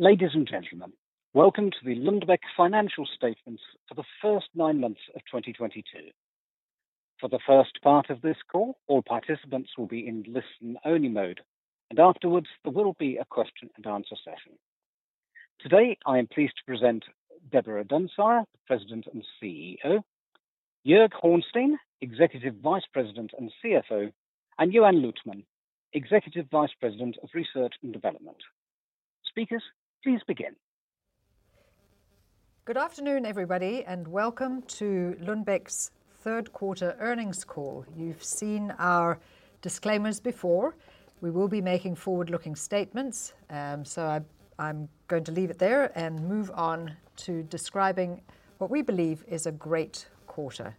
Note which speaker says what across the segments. Speaker 1: Ladies and gentlemen, welcome to the Lundbeck financial statements for the first nine months of 2022. For the first part of this call, all participants will be in listen-only mode, and afterwards there will be a question-and-answer session. Today, I am pleased to present Deborah Dunsire, President and CEO, Joerg Hornstein, Executive Vice President and CFO, and Johan Luthman, Executive Vice President of Research and Development. Speakers, please begin.
Speaker 2: Good afternoon, everybody, and welcome to Lundbeck's third quarter earnings call. You've seen our disclaimers before. We will be making forward-looking statements, so I'm going to leave it there and move on to describing what we believe is a great quarter.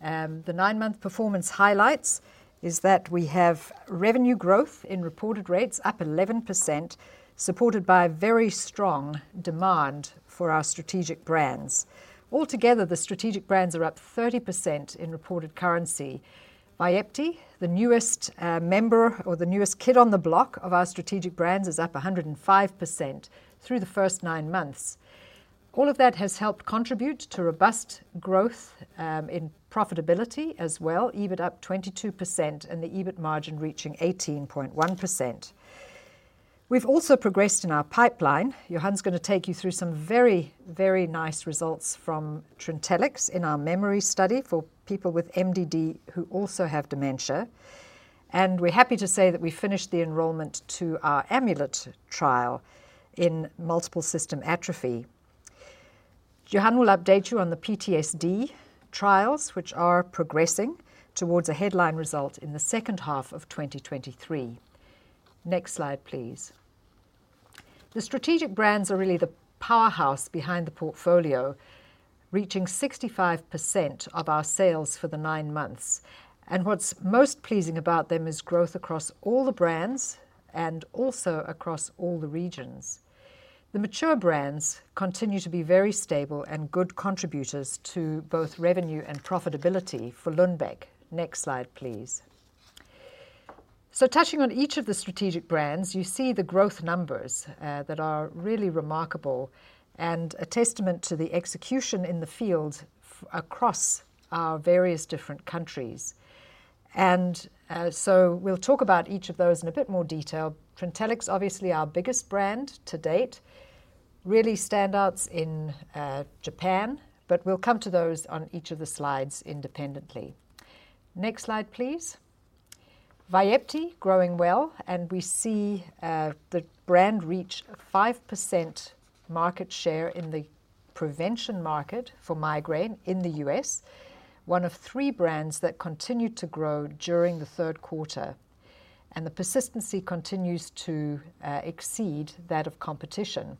Speaker 2: The nine-month performance highlights is that we have revenue growth in reported rates up 11%, supported by very strong demand for our strategic brands. Altogether, the strategic brands are up 30% in reported currency. Vyepti, the newest member or the newest kid on the block of our strategic brands, is up 105% through the first nine months. All of that has helped contribute to robust growth in profitability as well, EBIT up 22% and the EBIT margin reaching 18.1%. We've also progressed in our pipeline. Johan's going to take you through some very, very nice results from Trintellix in our memory study for people with MDD who also have dementia. We're happy to say that we finished the enrollment to our AMULET trial in multiple system atrophy. Johan will update you on the PTSD trials, which are progressing towards a headline result in the second half of 2023. Next slide, please. The strategic brands are really the powerhouse behind the portfolio, reaching 65% of our sales for the nine months. What's most pleasing about them is growth across all the brands and also across all the regions. The mature brands continue to be very stable and good contributors to both revenue and profitability for Lundbeck. Next slide, please. Touching on each of the strategic brands, you see the growth numbers that are really remarkable and a testament to the execution in the field across our various different countries. We'll talk about each of those in a bit more detail. Trintellix, obviously our biggest brand to date, really stands out in Japan, but we'll come to those on each of the slides independently. Next slide, please. Vyepti growing well, and we see the brand reach 5% market share in the prevention market for migraine in the U.S., one of three brands that continued to grow during the third quarter, and the persistency continues to exceed that of competition.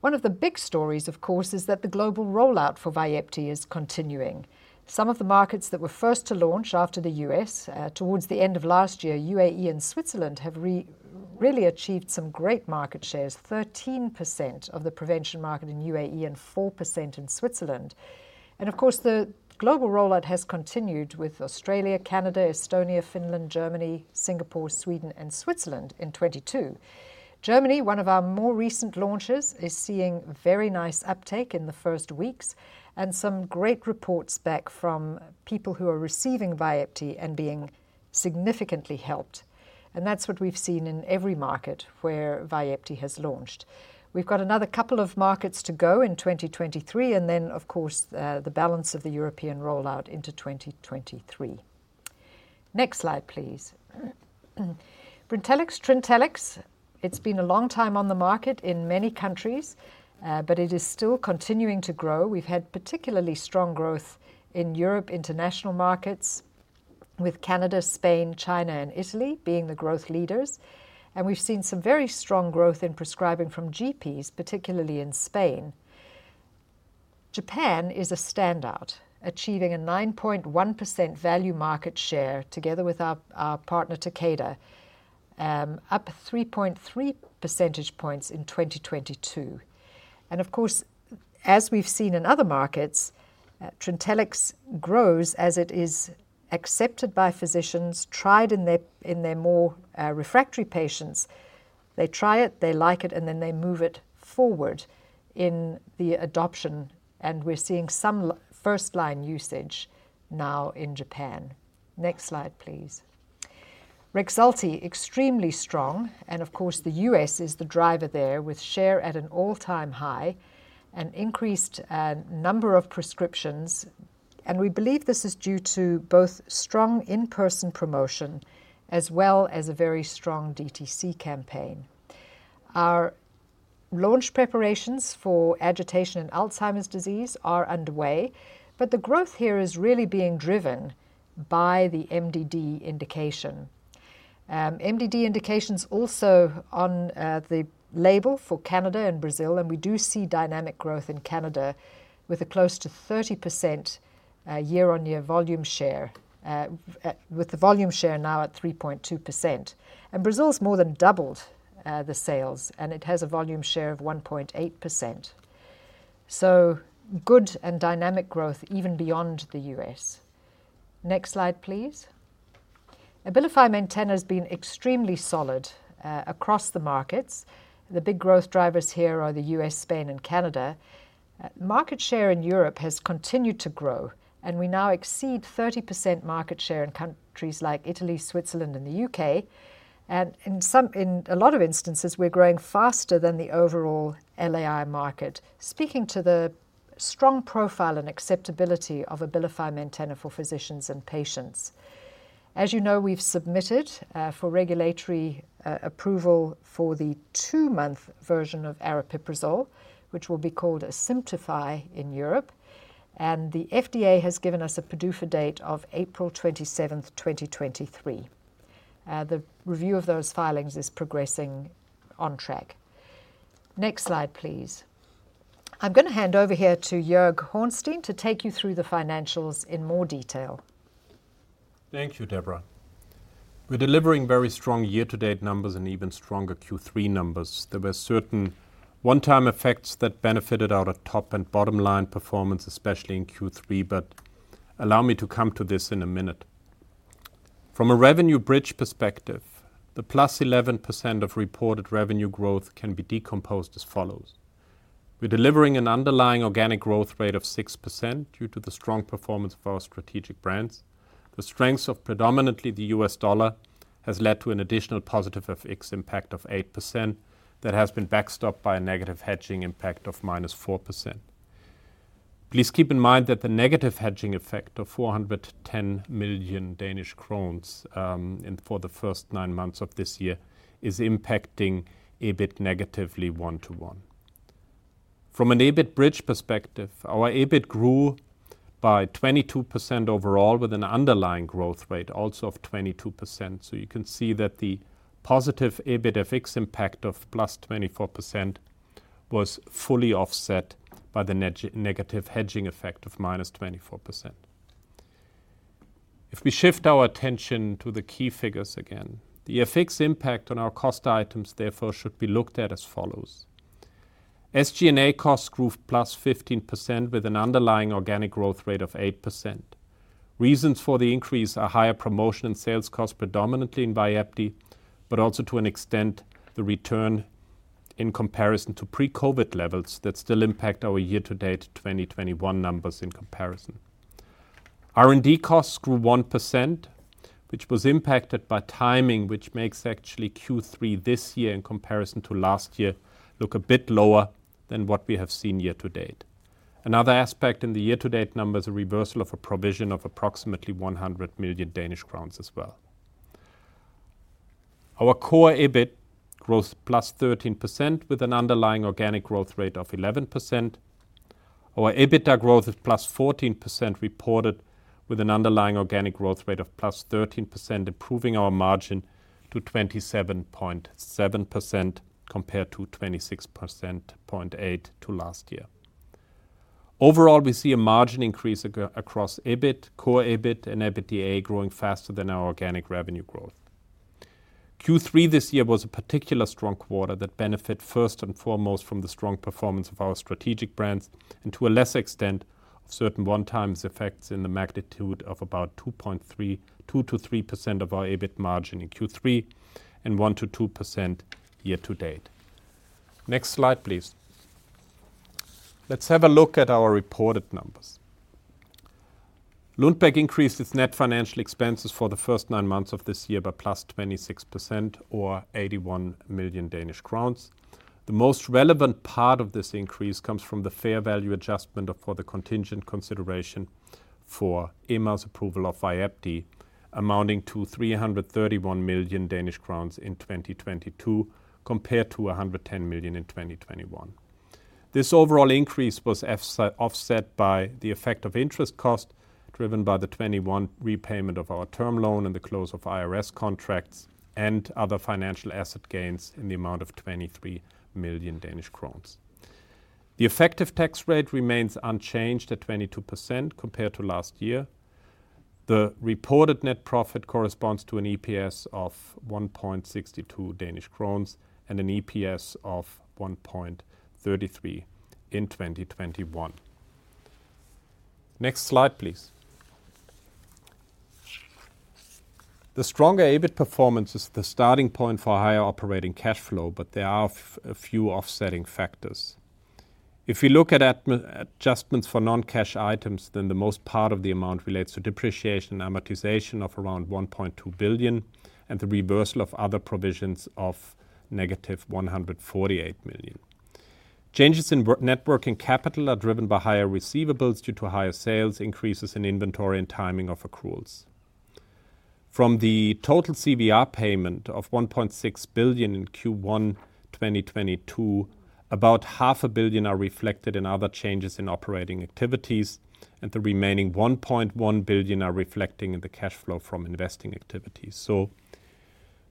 Speaker 2: One of the big stories, of course, is that the global rollout for Vyepti is continuing. Some of the markets that were first to launch after the U.S., towards the end of last year, UAE and Switzerland, have really achieved some great market shares, 13% of the prevention market in UAE and 4% in Switzerland. Of course, the global rollout has continued with Australia, Canada, Estonia, Finland, Germany, Singapore, Sweden and Switzerland in 2022. Germany, one of our more recent launches, is seeing very nice uptake in the first weeks and some great reports back from people who are receiving Vyepti and being significantly helped. That's what we've seen in every market where Vyepti has launched. We've got another couple of markets to go in 2023 and then of course, the balance of the European rollout into 2023. Next slide, please. Brintellix, Trintellix, it's been a long time on the market in many countries, but it is still continuing to grow. We've had particularly strong growth in Europe international markets with Canada, Spain, China and Italy being the growth leaders. We've seen some very strong growth in prescribing from GPs, particularly in Spain. Japan is a standout, achieving a 9.1% value market share together with our partner Takeda, up 3.3 percentage points in 2022. Of course, as we've seen in other markets, Trintellix grows as it is accepted by physicians, tried in their more refractory patients. They try it, they like it, and then they move it forward in the adoption, and we're seeing some first-line usage now in Japan. Next slide, please. Rexulti, extremely strong, and of course the U.S. is the driver there with share at an all-time high and increased number of prescriptions. We believe this is due to both strong in-person promotion as well as a very strong DTC campaign. Our launch preparations for agitation in Alzheimer's disease are underway, but the growth here is really being driven by the MDD indication. MDD indication's also on the label for Canada and Brazil, and we do see dynamic growth in Canada with a close to 30% year-on-year volume share with the volume share now at 3.2%. Brazil's more than doubled the sales, and it has a volume share of 1.8%. Good and dynamic growth even beyond the U.S. Next slide, please. Abilify Maintena has been extremely solid across the markets. The big growth drivers here are the U.S., Spain and Canada. Market share in Europe has continued to grow, and we now exceed 30% market share in countries like Italy, Switzerland and the U.K. In a lot of instances, we're growing faster than the overall LAI market, speaking to the strong profile and acceptability of Abilify Maintena for physicians and patients. As you know, we've submitted for regulatory approval for the two-month version of aripiprazole, which will be called Asimtufii in Europe, and the FDA has given us a PDUFA date of April 27, 2023. The review of those filings is progressing on track. Next slide, please. I'm gonna hand over here to Joerg Hornstein to take you through the financials in more detail.
Speaker 3: Thank you, Deborah. We're delivering very strong year-to-date numbers and even stronger Q3 numbers. There were certain one-time effects that benefited our top and bottom line performance, especially in Q3. Allow me to come to this in a minute. From a revenue bridge perspective, the +11% of reported revenue growth can be decomposed as follows. We're delivering an underlying organic growth rate of 6% due to the strong performance of our strategic brands. The strengths of predominantly the US dollar has led to an additional positive FX impact of 8% that has been backstopped by a negative hedging impact of -4%. Please keep in mind that the negative hedging effect of 410 million Danish kroner for the first nine months of this year is impacting EBIT negatively one-to-one. From an EBIT bridge perspective, our EBIT grew by 22% overall with an underlying growth rate also of 22%. You can see that the positive EBIT FX impact of +24% was fully offset by the negative hedging effect of -24%. If we shift our attention to the key figures again, the FX impact on our cost items therefore should be looked at as follows. SG&A costs grew +15% with an underlying organic growth rate of 8%. Reasons for the increase are higher promotion and sales costs, predominantly in Vyepti, but also to an extent the return in comparison to pre-COVID levels that still impact our year-to-date 2021 numbers in comparison. R&D costs grew 1%, which was impacted by timing, which makes actually Q3 this year in comparison to last year look a bit lower than what we have seen year to date. Another aspect in the year-to-date numbers, a reversal of a provision of approximately 100 million Danish crowns as well. Our core EBIT grows +13% with an underlying organic growth rate of 11%. Our EBITDA growth is +14% reported, with an underlying organic growth rate of +13%, improving our margin to 27.7% compared to 26.8% last year. Overall, we see a margin increase across EBIT, core EBIT and EBITDA growing faster than our organic revenue growth. Q3 this year was a particularly strong quarter that benefited first and foremost from the strong performance of our strategic brands and to a lesser extent, of certain one-time effects in the magnitude of about 2%-3% of our EBIT margin in Q3 and 1%-2% year to date. Next slide, please. Let's have a look at our reported numbers. Lundbeck increased its net financial expenses for the first nine months of this year by +26% or 81 million Danish crowns. The most relevant part of this increase comes from the fair value adjustment for the contingent consideration for EMA's approval of Vyepti, amounting to 331 million Danish crowns in 2022, compared to 110 million in 2021. This overall increase was offset by the effect of interest cost, driven by the 2021 repayment of our term loan and the close of IRS contracts and other financial asset gains in the amount of 23 million Danish crowns. The effective tax rate remains unchanged at 22% compared to last year. The reported net profit corresponds to an EPS of 1.62 Danish kroner and an EPS of 1.33 in 2021. Next slide, please. The stronger EBIT performance is the starting point for higher operating cash flow, but there are a few offsetting factors. If you look at adjustments for non-cash items, then the most part of the amount relates to depreciation and amortization of around 1.2 billion DKK and the reversal of other provisions of -148 million DKK. Changes in net working capital are driven by higher receivables due to higher sales, increases in inventory and timing of accruals. From the total CVR payment of 1.6 billion in Q1 2022, about DKK half a billion are reflected in other changes in operating activities, and the remaining 1.1 billion are reflecting in the cash flow from investing activities.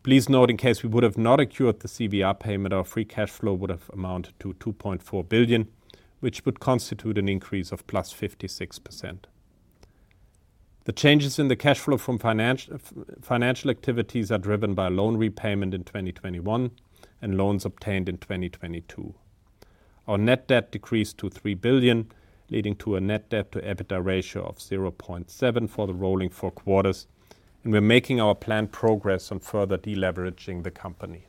Speaker 3: Please note in case we would have not accrued the CVR payment, our free cash flow would have amounted to 2.4 billion, which would constitute an increase of +56%. The changes in the cash flow from financial activities are driven by loan repayment in 2021 and loans obtained in 2022. Our net debt decreased to 3 billion, leading to a net debt to EBITDA ratio of 0.7 for the rolling four quarters, and we're making our planned progress on further deleveraging the company.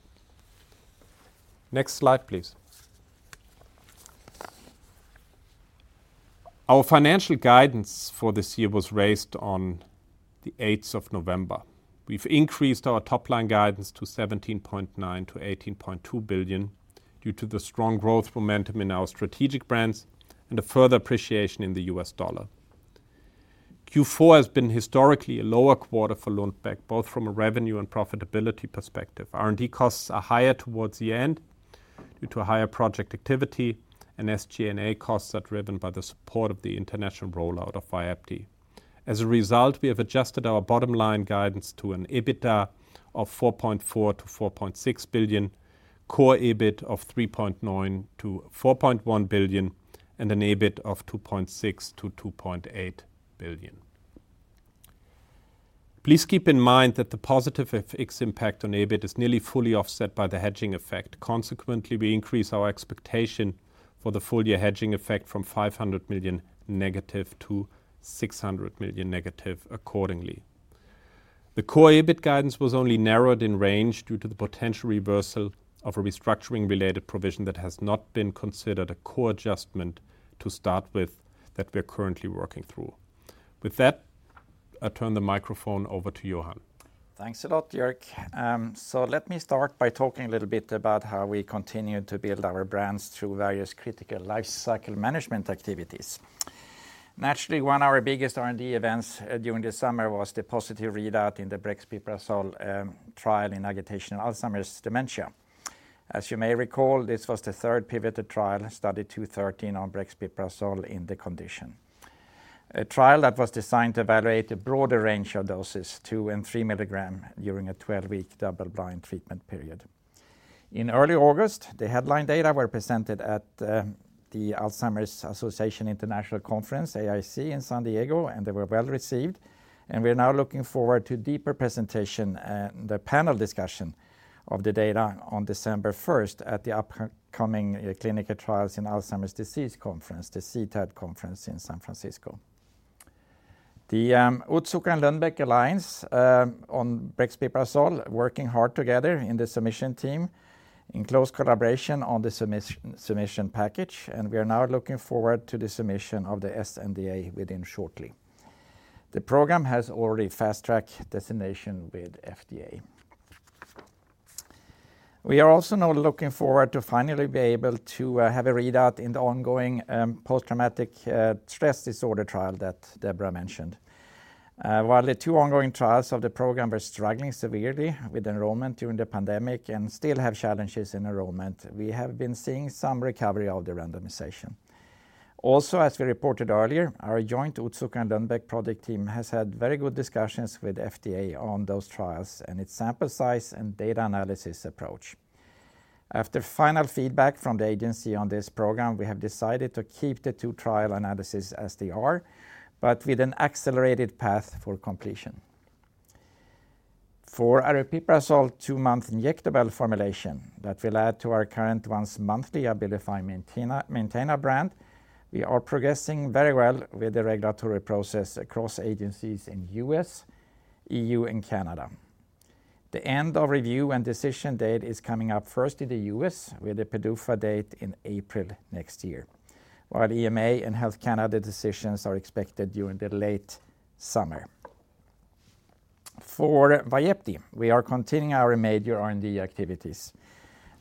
Speaker 3: Next slide, please. Our financial guidance for this year was raised on the eighth of November. We've increased our top-line guidance to 17.9 billion-18.2 billion due to the strong growth momentum in our strategic brands and a further appreciation in the US dollar. Q4 has been historically a lower quarter for Lundbeck, both from a revenue and profitability perspective. R&D costs are higher towards the end due to higher project activity and SG&A costs are driven by the support of the international rollout of Vyepti. As a result, we have adjusted our bottom-line guidance to an EBITDA of 4.4 billion-4.6 billion, core EBIT of 3.9 billion-4.1 billion, and an EBIT of 2.6 billion-2.8 billion. Please keep in mind that the positive FX impact on EBIT is nearly fully offset by the hedging effect. Consequently, we increase our expectation for the full-year hedging effect from -500 million to -600 million accordingly. The core EBIT guidance was only narrowed in range due to the potential reversal of a restructuring-related provision that has not been considered a core adjustment to start with that we're currently working through. With that, I turn the microphone over to Johan.
Speaker 4: Thanks a lot, Joerg. Let me start by talking a little bit about how we continue to build our brands through various critical lifecycle management activities. Naturally, one of our biggest R&D events during the summer was the positive readout in the brexpiprazole trial in agitation Alzheimer's dementia. As you may recall, this was the third pivotal trial, Study 213, on brexpiprazole in the condition. A trial that was designed to evaluate a broader range of doses, 2 and 3 mg, during a 12-week double-blind treatment period. In early August, the headline data were presented at the Alzheimer's Association International Conference, AAIC, in San Diego, and they were well-received, and we're now looking forward to deeper presentation at the panel discussion of the data on December first at the upcoming Clinical Trials in Alzheimer's Disease conference, the CTAD conference in San Francisco. The Otsuka and Lundbeck alliance on brexpiprazole are working hard together in the submission team in close collaboration on the submission package, and we are now looking forward to the submission of the sNDA within shortly. The program has already fast track designation with FDA. We are also now looking forward to finally be able to have a readout in the ongoing post-traumatic stress disorder trial that Deborah mentioned. While the two ongoing trials of the program are struggling severely with enrollment during the pandemic and still have challenges in enrollment, we have been seeing some recovery of the randomization. Also, as we reported earlier, our joint Otsuka and Lundbeck project team has had very good discussions with FDA on those trials and its sample size and data analysis approach. After final feedback from the agency on this program, we have decided to keep the two trial analysis as they are, but with an accelerated path for completion. For aripiprazole two-month injectable formulation that will add to our current once-monthly Abilify Maintena maintainer brand, we are progressing very well with the regulatory process across agencies in US, EU, and Canada. The end of review and decision date is coming up first in the US with a PDUFA date in April next year. While EMA and Health Canada decisions are expected during the late summer. For Vyepti, we are continuing our major R&D activities.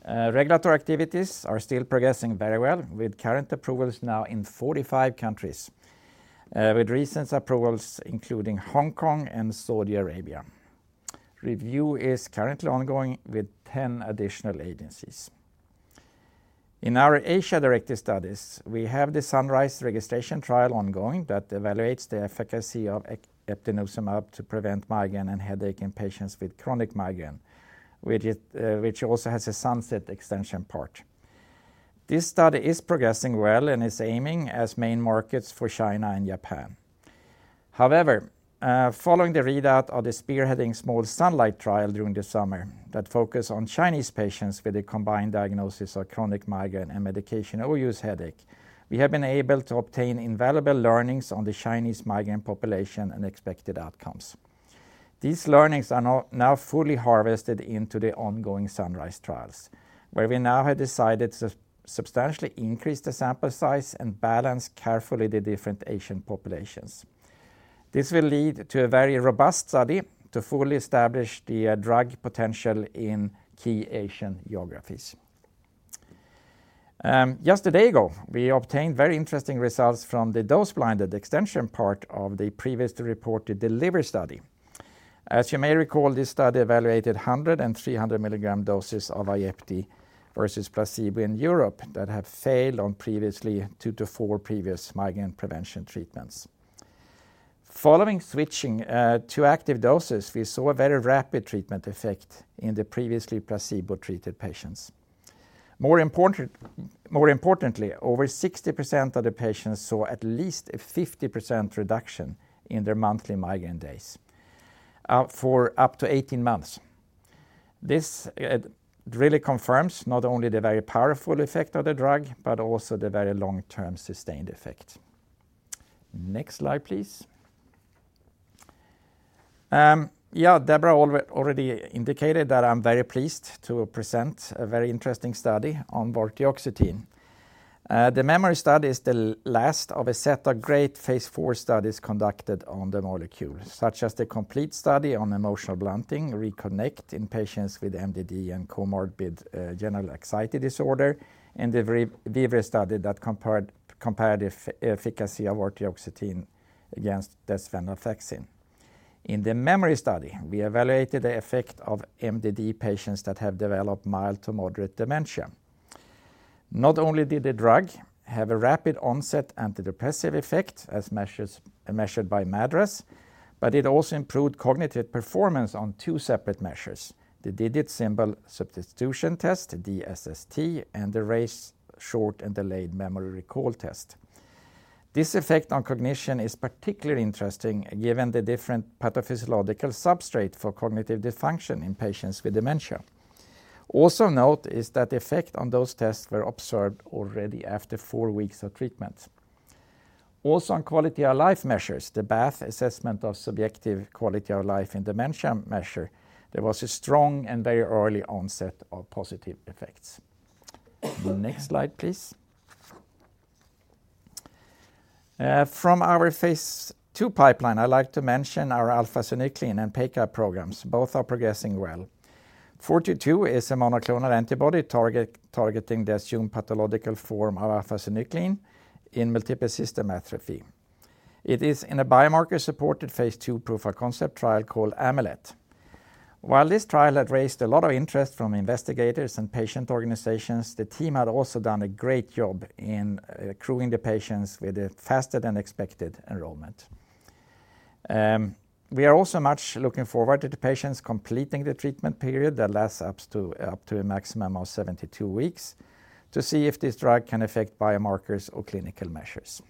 Speaker 4: Regulatory activities are still progressing very well with current approvals now in 45 countries, with recent approvals including Hong Kong and Saudi Arabia. Review is currently ongoing with 10 additional agencies. In our Asia-directed studies, we have the SUNRISE registration trial ongoing that evaluates the efficacy of eptinezumab to prevent migraine and headache in patients with chronic migraine, which also has a SUNSET extension part. This study is progressing well and is aiming at main markets for China and Japan. However, following the readout of the spearheading small SUNLIGHT trial during the summer that focus on Chinese patients with a combined diagnosis of chronic migraine and medication overuse headache, we have been able to obtain invaluable learnings on the Chinese migraine population and expected outcomes. These learnings are now fully harvested into the ongoing SUNRISE trials, where we now have decided to substantially increase the sample size and balance carefully the different Asian populations. This will lead to a very robust study to fully establish the drug potential in key Asian geographies. Just a day ago, we obtained very interesting results from the dose-blinded extension part of the previously reported DELIVER study. As you may recall, this study evaluated 100 and 300 milligram doses of Vyepti versus placebo in Europe that have failed on previously two to four previous migraine prevention treatments. Following switching two active doses, we saw a very rapid treatment effect in the previously placebo-treated patients. More importantly, over 60% of the patients saw at least a 50% reduction in their monthly migraine days for up to 18 months. This, it really confirms not only the very powerful effect of the drug, but also the very long-term sustained effect. Next slide, please. Yeah, Deborah already indicated that I'm very pleased to present a very interesting study on vortioxetine. The MEMORY study is the last of a set of great phase IV studies conducted on the molecule, such as the COMPLETE study on emotional blunting, RECONNECT in patients with MDD and comorbid general anxiety disorder, and the VIVRE study that compared efficacy of vortioxetine against desvenlafaxine. In the MEMORY study, we evaluated the effect of MDD patients that have developed mild to moderate dementia. Not only did the drug have a rapid onset antidepressive effect as measured by MADRS, but it also improved cognitive performance on two separate measures: the Digit Symbol Substitution Test, DSST, and the Rey Auditory Verbal Learning Test. This effect on cognition is particularly interesting given the different pathophysiological substrate for cognitive dysfunction in patients with dementia. Also note is that the effect on those tests were observed already after four weeks of treatment. Also, on quality of life measures, the Bath Assessment of Subjective Quality of Life in Dementia measure, there was a strong and very early onset of positive effects. Next slide, please. From our phase two pipeline, I'd like to mention our alpha-synuclein and PACAP programs. Both are progressing well. Lu AF82422 is a monoclonal antibody targeting the assumed pathological form of alpha-synuclein in multiple system atrophy. It is in a biomarker-supported phase two proof-of-concept trial called AMULET. While this trial had raised a lot of interest from investigators and patient organizations, the team had also done a great job in accruing the patients with a faster than expected enrollment. We are also much looking forward to the patients completing the treatment period that lasts up to a maximum of 72 weeks to see if this drug can affect biomarkers or clinical measures.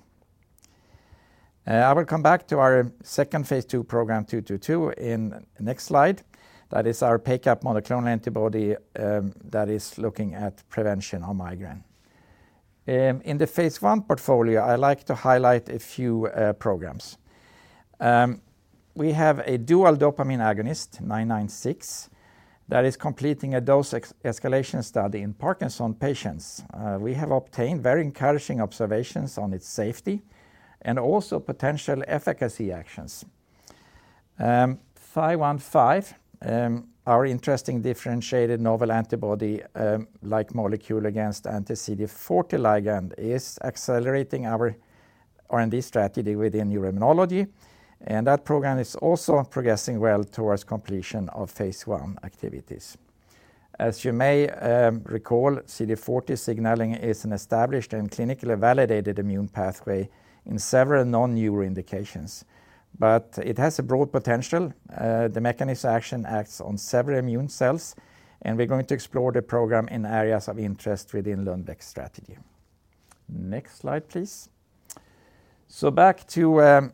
Speaker 4: I will come back to our second phase two program, 222, in next slide. That is our PACAP monoclonal antibody that is looking at prevention of migraine. In the phase one portfolio, I like to highlight a few programs. We have a dual dopamine agonist, 996, that is completing a dose escalation study in Parkinson's patients. We have obtained very encouraging observations on its safety and also potential efficacy actions. 515, our interesting differentiated novel antibody like molecule against CD40 ligand, is accelerating our R&D strategy within neuroimmunology, and that program is also progressing well towards completion of phase one activities. As you may recall, CD40 signaling is an established and clinically validated immune pathway in several non-neuro indications. It has a broad potential. The mechanism of action acts on several immune cells, and we're going to explore the program in areas of interest within Lundbeck's strategy. Next slide, please. Back to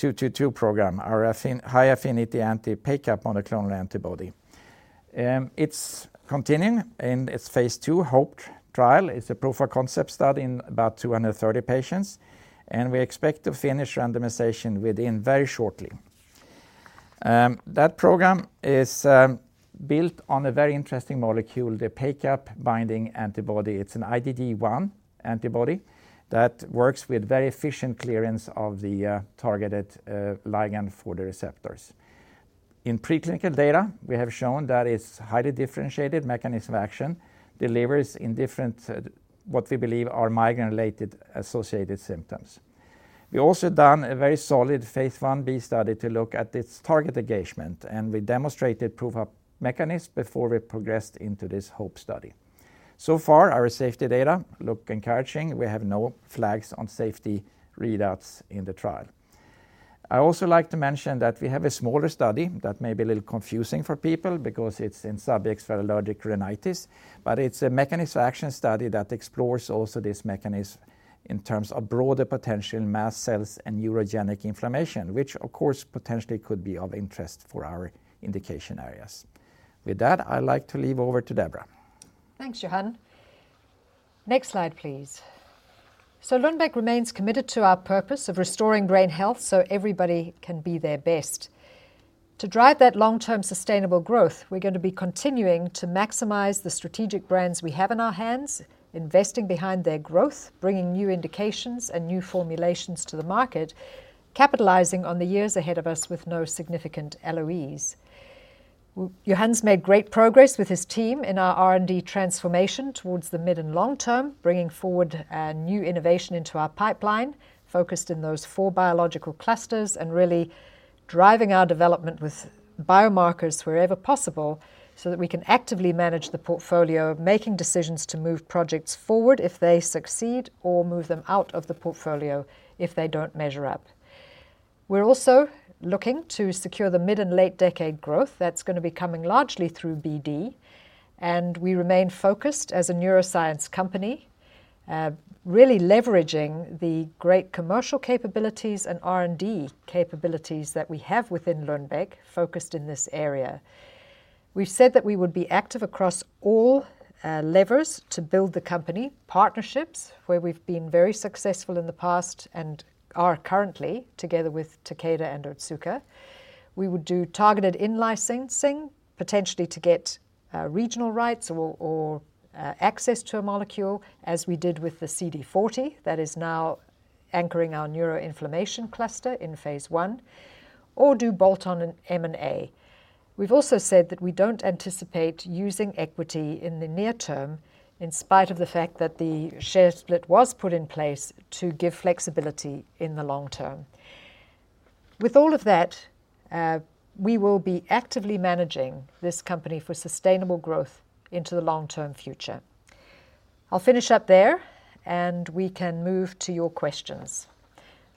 Speaker 4: Lu AG09222 program, our high-affinity anti-PACAP monoclonal antibody. It's continuing in its phase II HOPE trial. It's a proof-of-concept study in about 230 patients, and we expect to finish randomization very shortly. That program is built on a very interesting molecule, the PACAP-binding antibody. It's an IgG1 antibody that works with very efficient clearance of the targeted ligand for the receptors. In preclinical data, we have shown that it's highly differentiated mechanism of action, delivers in different what we believe are migraine-related associated symptoms. We have also done a very solid phase Ib study to look at its target engagement, and we demonstrated proof of mechanism before we progressed into this HOPE study. Our safety data look encouraging. We have no flags on safety readouts in the trial. I also like to mention that we have a smaller study that may be a little confusing for people because it's in subjects for allergic rhinitis, but it's a mechanism-of-action study that explores also this mechanism in terms of broader potential mast cells and neurogenic inflammation, which of course potentially could be of interest for our indication areas. With that, I'd like to hand over to Deborah.
Speaker 2: Thanks, Johan. Next slide, please. Lundbeck remains committed to our purpose of restoring brain health so everybody can be their best. To drive that long-term sustainable growth, we're going to be continuing to maximize the strategic brands we have in our hands, investing behind their growth, bringing new indications and new formulations to the market, capitalizing on the years ahead of us with no significant LOEs. Johan's made great progress with his team in our R&D transformation towards the mid and long term, bringing forward new innovation into our pipeline, focused in those four biological clusters and really driving our development with biomarkers wherever possible so that we can actively manage the portfolio, making decisions to move projects forward if they succeed or move them out of the portfolio if they don't measure up. We're also looking to secure the mid and late decade growth that's gonna be coming largely through BD. We remain focused as a neuroscience company, really leveraging the great commercial capabilities and R&D capabilities that we have within Lundbeck focused in this area. We've said that we would be active across all levers to build the company partnerships, where we've been very successful in the past and are currently together with Takeda and Otsuka. We would do targeted in-licensing potentially to get regional rights or access to a molecule as we did with the CD40 that is now anchoring our neuroinflammation cluster in phase one, or do bolt-on in M&A. We've also said that we don't anticipate using equity in the near term in spite of the fact that the share split was put in place to give flexibility in the long term. With all of that, we will be actively managing this company for sustainable growth into the long-term future. I'll finish up there, and we can move to your questions.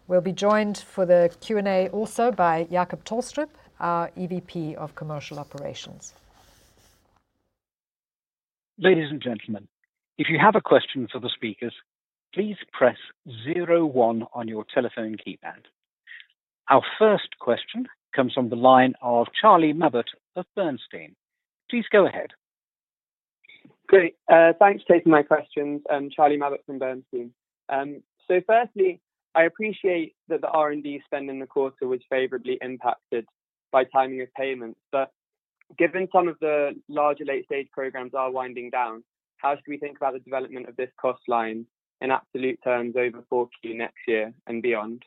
Speaker 2: We'll be joined for the Q&A also by Jacob Tolstrup, our EVP of Commercial Operations.
Speaker 1: Ladies and gentlemen, if you have a question for the speakers, please press zero one on your telephone keypad. Our first question comes from the line of Wimal Kapadia of Bernstein. Please go ahead.
Speaker 5: Great. Thanks. Taking my questions. I'm Wimal Kapadia from Bernstein. Firstly, I appreciate that the R&D spend in the quarter was favorably impacted by timing of payments. Given some of the larger late-stage programs are winding down, how should we think about the development of this cost line in absolute terms over 4Q next year and beyond?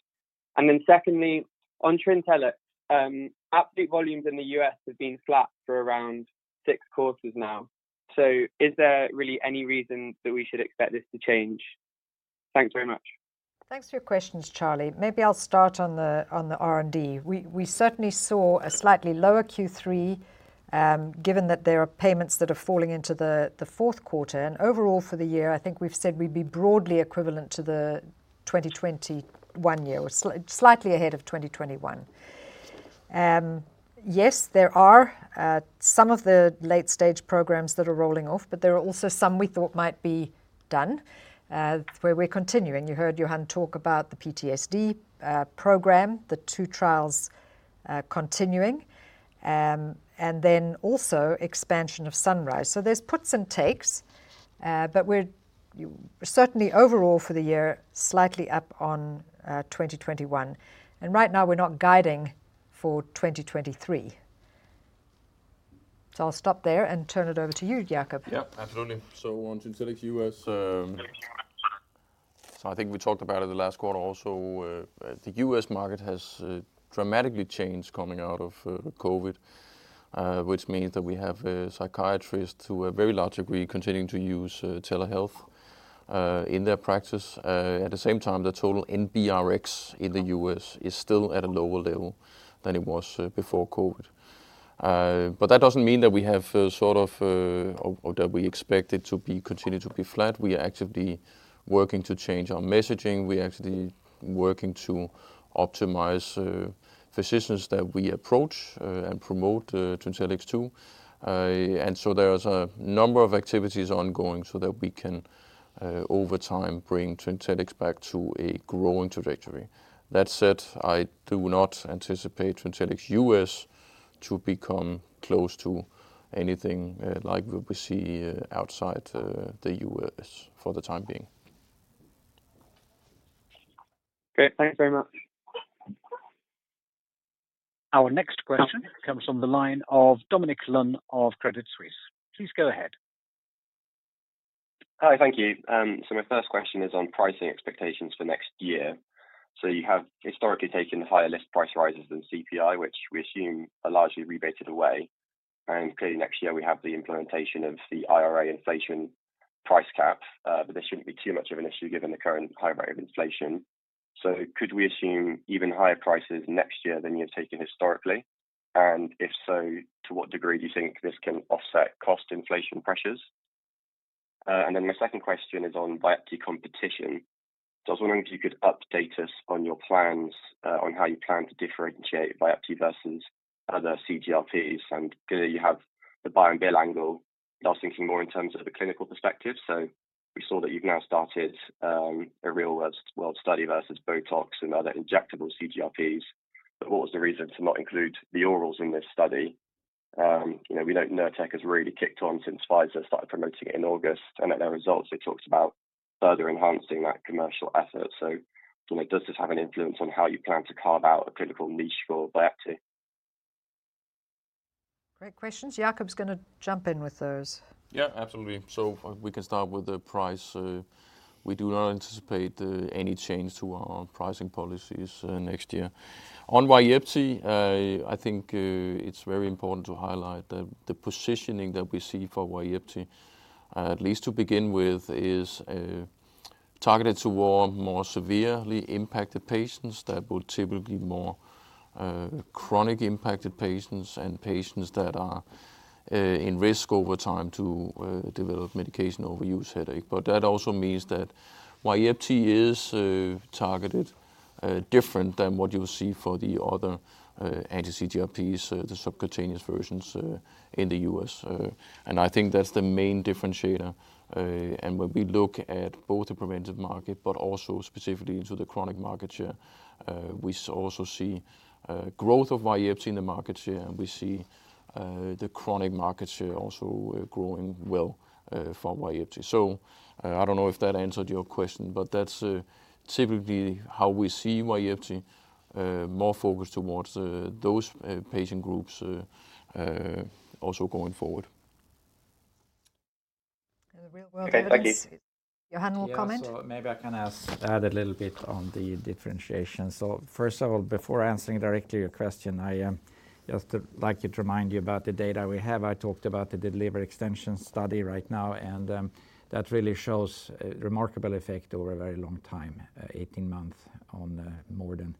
Speaker 5: Secondly, on Trintellix, absolute volumes in the U.S. have been flat for around six quarters now. Is there really any reason that we should expect this to change? Thanks very much.
Speaker 2: Thanks for your questions, Charlie. Maybe I'll start on the R&D. We certainly saw a slightly lower Q3, given that there are payments that are falling into the fourth quarter. Overall for the year, I think we've said we'd be broadly equivalent to the 2021 year. We're slightly ahead of 2021. Yes, there are some of the late-stage programs that are rolling off, but there are also some we thought might be done, where we're continuing. You heard Johan talk about the PTSD program, the two trials continuing, and then also expansion of Sunrise. There's puts and takes, but we're certainly overall for the year, slightly up on 2021, and right now we're not guiding for 2023. I'll stop there and turn it over to you, Jacob.
Speaker 6: Yeah, absolutely. On Trintellix US, so I think we talked about it the last quarter also. The US market has dramatically changed coming out of COVID, which means that we have psychiatrists who are very largely continuing to use telehealth in their practice. At the same time, the total NBRX in the US is still at a lower level than it was before COVID. That doesn't mean that we expect it to continue to be flat. We are actively working to change our messaging. We're actively working to optimize physicians that we approach and promote Trintellix to. There's a number of activities ongoing so that we can over time bring Trintellix back to a growing trajectory. That said, I do not anticipate Trintellix US to become close to anything, like what we see, outside, the US for the time being.
Speaker 5: Okay. Thanks very much.
Speaker 1: Our next question comes from the line of Jo Walton of Credit Suisse. Please go ahead.
Speaker 7: Hi. Thank you. My first question is on pricing expectations for next year. You have historically taken higher list price rises than CPI, which we assume are largely rebated away. Clearly next year we have the implementation of the IRA inflation price cap, but this shouldn't be too much of an issue given the current high rate of inflation. Could we assume even higher prices next year than you've taken historically? If so, to what degree do you think this can offset cost inflation pressures? My second question is on Vyepti competition. I was wondering if you could update us on your plans on how you plan to differentiate Vyepti versus other CGRPs. Clearly you have the buy and bill angle, and I was thinking more in terms of the clinical perspective. We saw that you've now started a real world study versus Botox and other injectable CGRPs. What was the reason to not include the orals in this study? You know, we know Nurtec has really kicked on since Pfizer started promoting it in August. At their results, it talks about further enhancing that commercial effort. You know, does this have an influence on how you plan to carve out a clinical niche for Vyepti?
Speaker 2: Great questions. Jacob's gonna jump in with those.
Speaker 6: Yeah, absolutely. We can start with the price. We do not anticipate any change to our pricing policies next year. On Vyepti, I think it's very important to highlight the positioning that we see for Vyepti, at least to begin with, is targeted toward more severely impacted patients that will typically more chronic impacted patients and patients that are in risk over time to develop medication overuse headache. That also means that Vyepti is targeted different than what you'll see for the other anti-CGRPs, the subcutaneous versions in the US. I think that's the main differentiator. When we look at both the preventive market, but also specifically into the chronic market share, we also see growth of Vyepti in the market share, and we see the chronic market share also growing well for Vyepti. I don't know if that answered your question, but that's typically how we see Vyepti more focused towards those patient groups also going forward.
Speaker 2: And the real world evidence-
Speaker 7: Okay, thank you.
Speaker 2: Johan will comment.
Speaker 4: Yeah. Maybe I can add a little bit on the differentiation. First of all, before answering directly your question, I just like to remind you about the data we have. I talked about the DELIVER extension study right now, and that really shows a remarkable effect over a very long time, 18 months on more than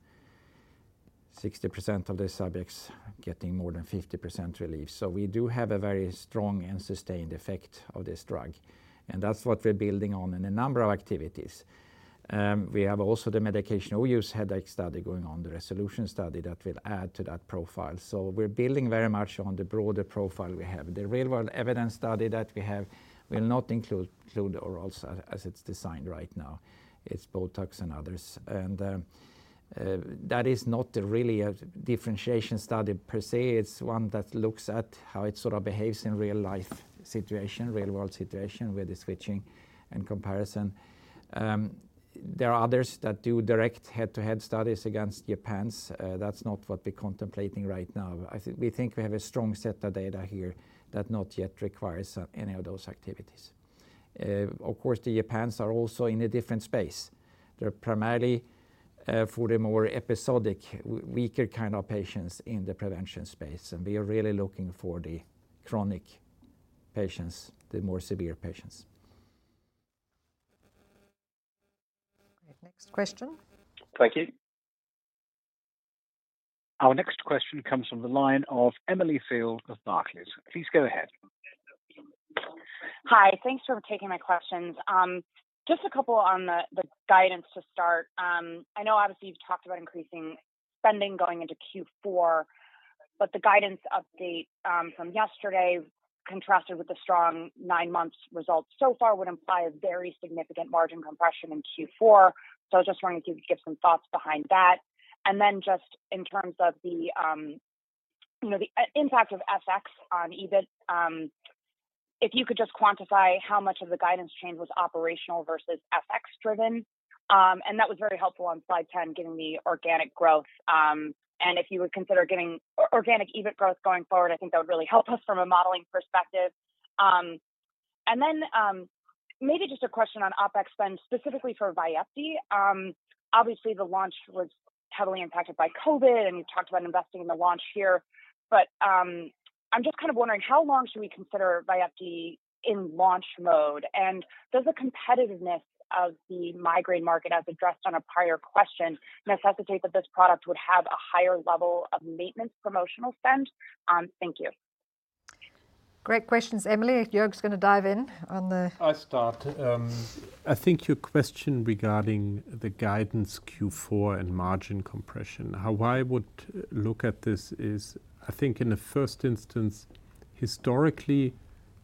Speaker 4: 60% of the subjects getting more than 50% relief. We do have a very strong and sustained effect of this drug, and that's what we're building on in a number of activities. We have also the medication overuse headache study going on, the RESOLUTION study that will add to that profile. We're building very much on the broader profile we have. The real-world evidence study that we have will not include orals as it's designed right now. It's Botox and others. That is not really a differentiation study per se. It's one that looks at how it sort of behaves in real life situation, real world situation with the switching and comparison. There are others that do direct head-to-head studies against Ajovy. That's not what we're contemplating right now. I think we think we have a strong set of data here that not yet requires any of those activities. Of course, the Ajovy are also in a different space. They're primarily for the more episodic, weaker kind of patients in the prevention space, and we are really looking for the chronic patients, the more severe patients.
Speaker 2: Great. Next question.
Speaker 7: Thank you.
Speaker 1: Our next question comes from the line of Emily Field of Barclays. Please go ahead.
Speaker 8: Hi. Thanks for taking my questions. Just a couple on the guidance to start. I know obviously you've talked about increasing spending going into Q4, but the guidance update from yesterday contrasted with the strong nine months results so far would imply a very significant margin compression in Q4. I was just wondering if you could give some thoughts behind that. Just in terms of the you know impact of FX on EBIT, if you could just quantify how much of the guidance change was operational versus FX driven. And that was very helpful on slide 10, giving the organic growth, and if you would consider giving organic EBIT growth going forward, I think that would really help us from a modeling perspective. Maybe just a question on OpEx spend, specifically for Vyepti. Obviously the launch was heavily impacted by COVID, and you've talked about investing in the launch here. I'm just kind of wondering how long should we consider Vyepti in launch mode? Does the competitiveness of the migraine market, as addressed on a prior question, necessitate that this product would have a higher level of maintenance promotional spend? Thank you.
Speaker 2: Great questions, Emily. Joerg's gonna dive in on the-
Speaker 3: I'll start. I think your question regarding the guidance Q4 and margin compression. How I would look at this is, I think in the first instance, historically,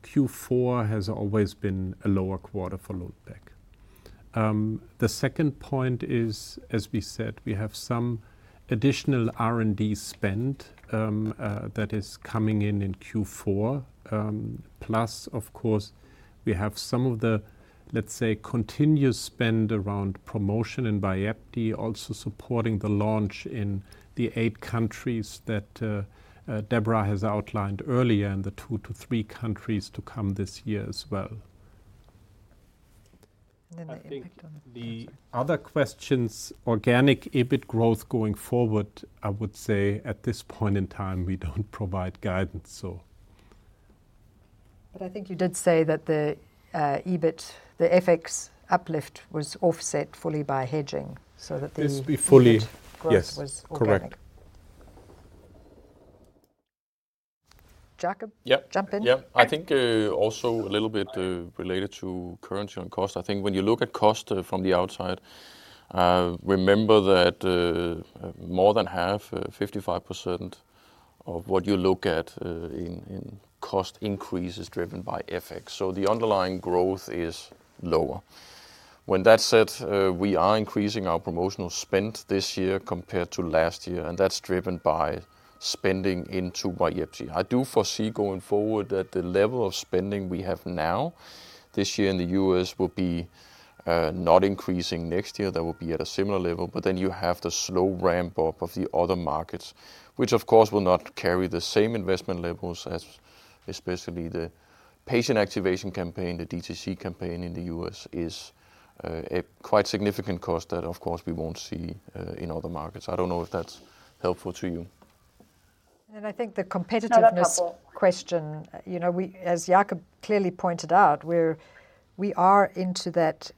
Speaker 3: Q4 has always been a lower quarter for Lundbeck. The second point is, as we said, we have some additional R&D spend that is coming in in Q4. Plus of course, we have some of the, let's say, continuous spend around promotion in Vyepti, also supporting the launch in the eight countries that Deborah has outlined earlier, and the two to three countries to come this year as well.
Speaker 2: I'm sorry.
Speaker 3: I think the other questions, organic EBIT growth going forward, I would say at this point in time, we don't provide guidance.
Speaker 2: I think you did say that the EBIT, the FX uplift was offset fully by hedging so that the
Speaker 3: Yes, we fully.
Speaker 2: EBIT growth was organic.
Speaker 3: Yes. Correct.
Speaker 2: Jacob-
Speaker 6: Yeah.
Speaker 2: Jump in.
Speaker 6: Yeah. I think, also a little bit, related to currency and cost. I think when you look at cost from the outside, remember that, more than half, 55% of what you look at, in cost increase is driven by FX, so the underlying growth is lower. When that's said, we are increasing our promotional spend this year compared to last year, and that's driven by spending into Vyepti. I do foresee going forward that the level of spending we have now, this year in the U.S., will be, not increasing next year. That will be at a similar level, but then you have the slow ramp up of the other markets, which of course will not carry the same investment levels as especially the patient activation campaign. The DTC campaign in the US is a quite significant cost that of course we won't see in other markets. I don't know if that's helpful to you.
Speaker 2: I think the competitiveness question, you know, as Jacob clearly pointed out, we are into that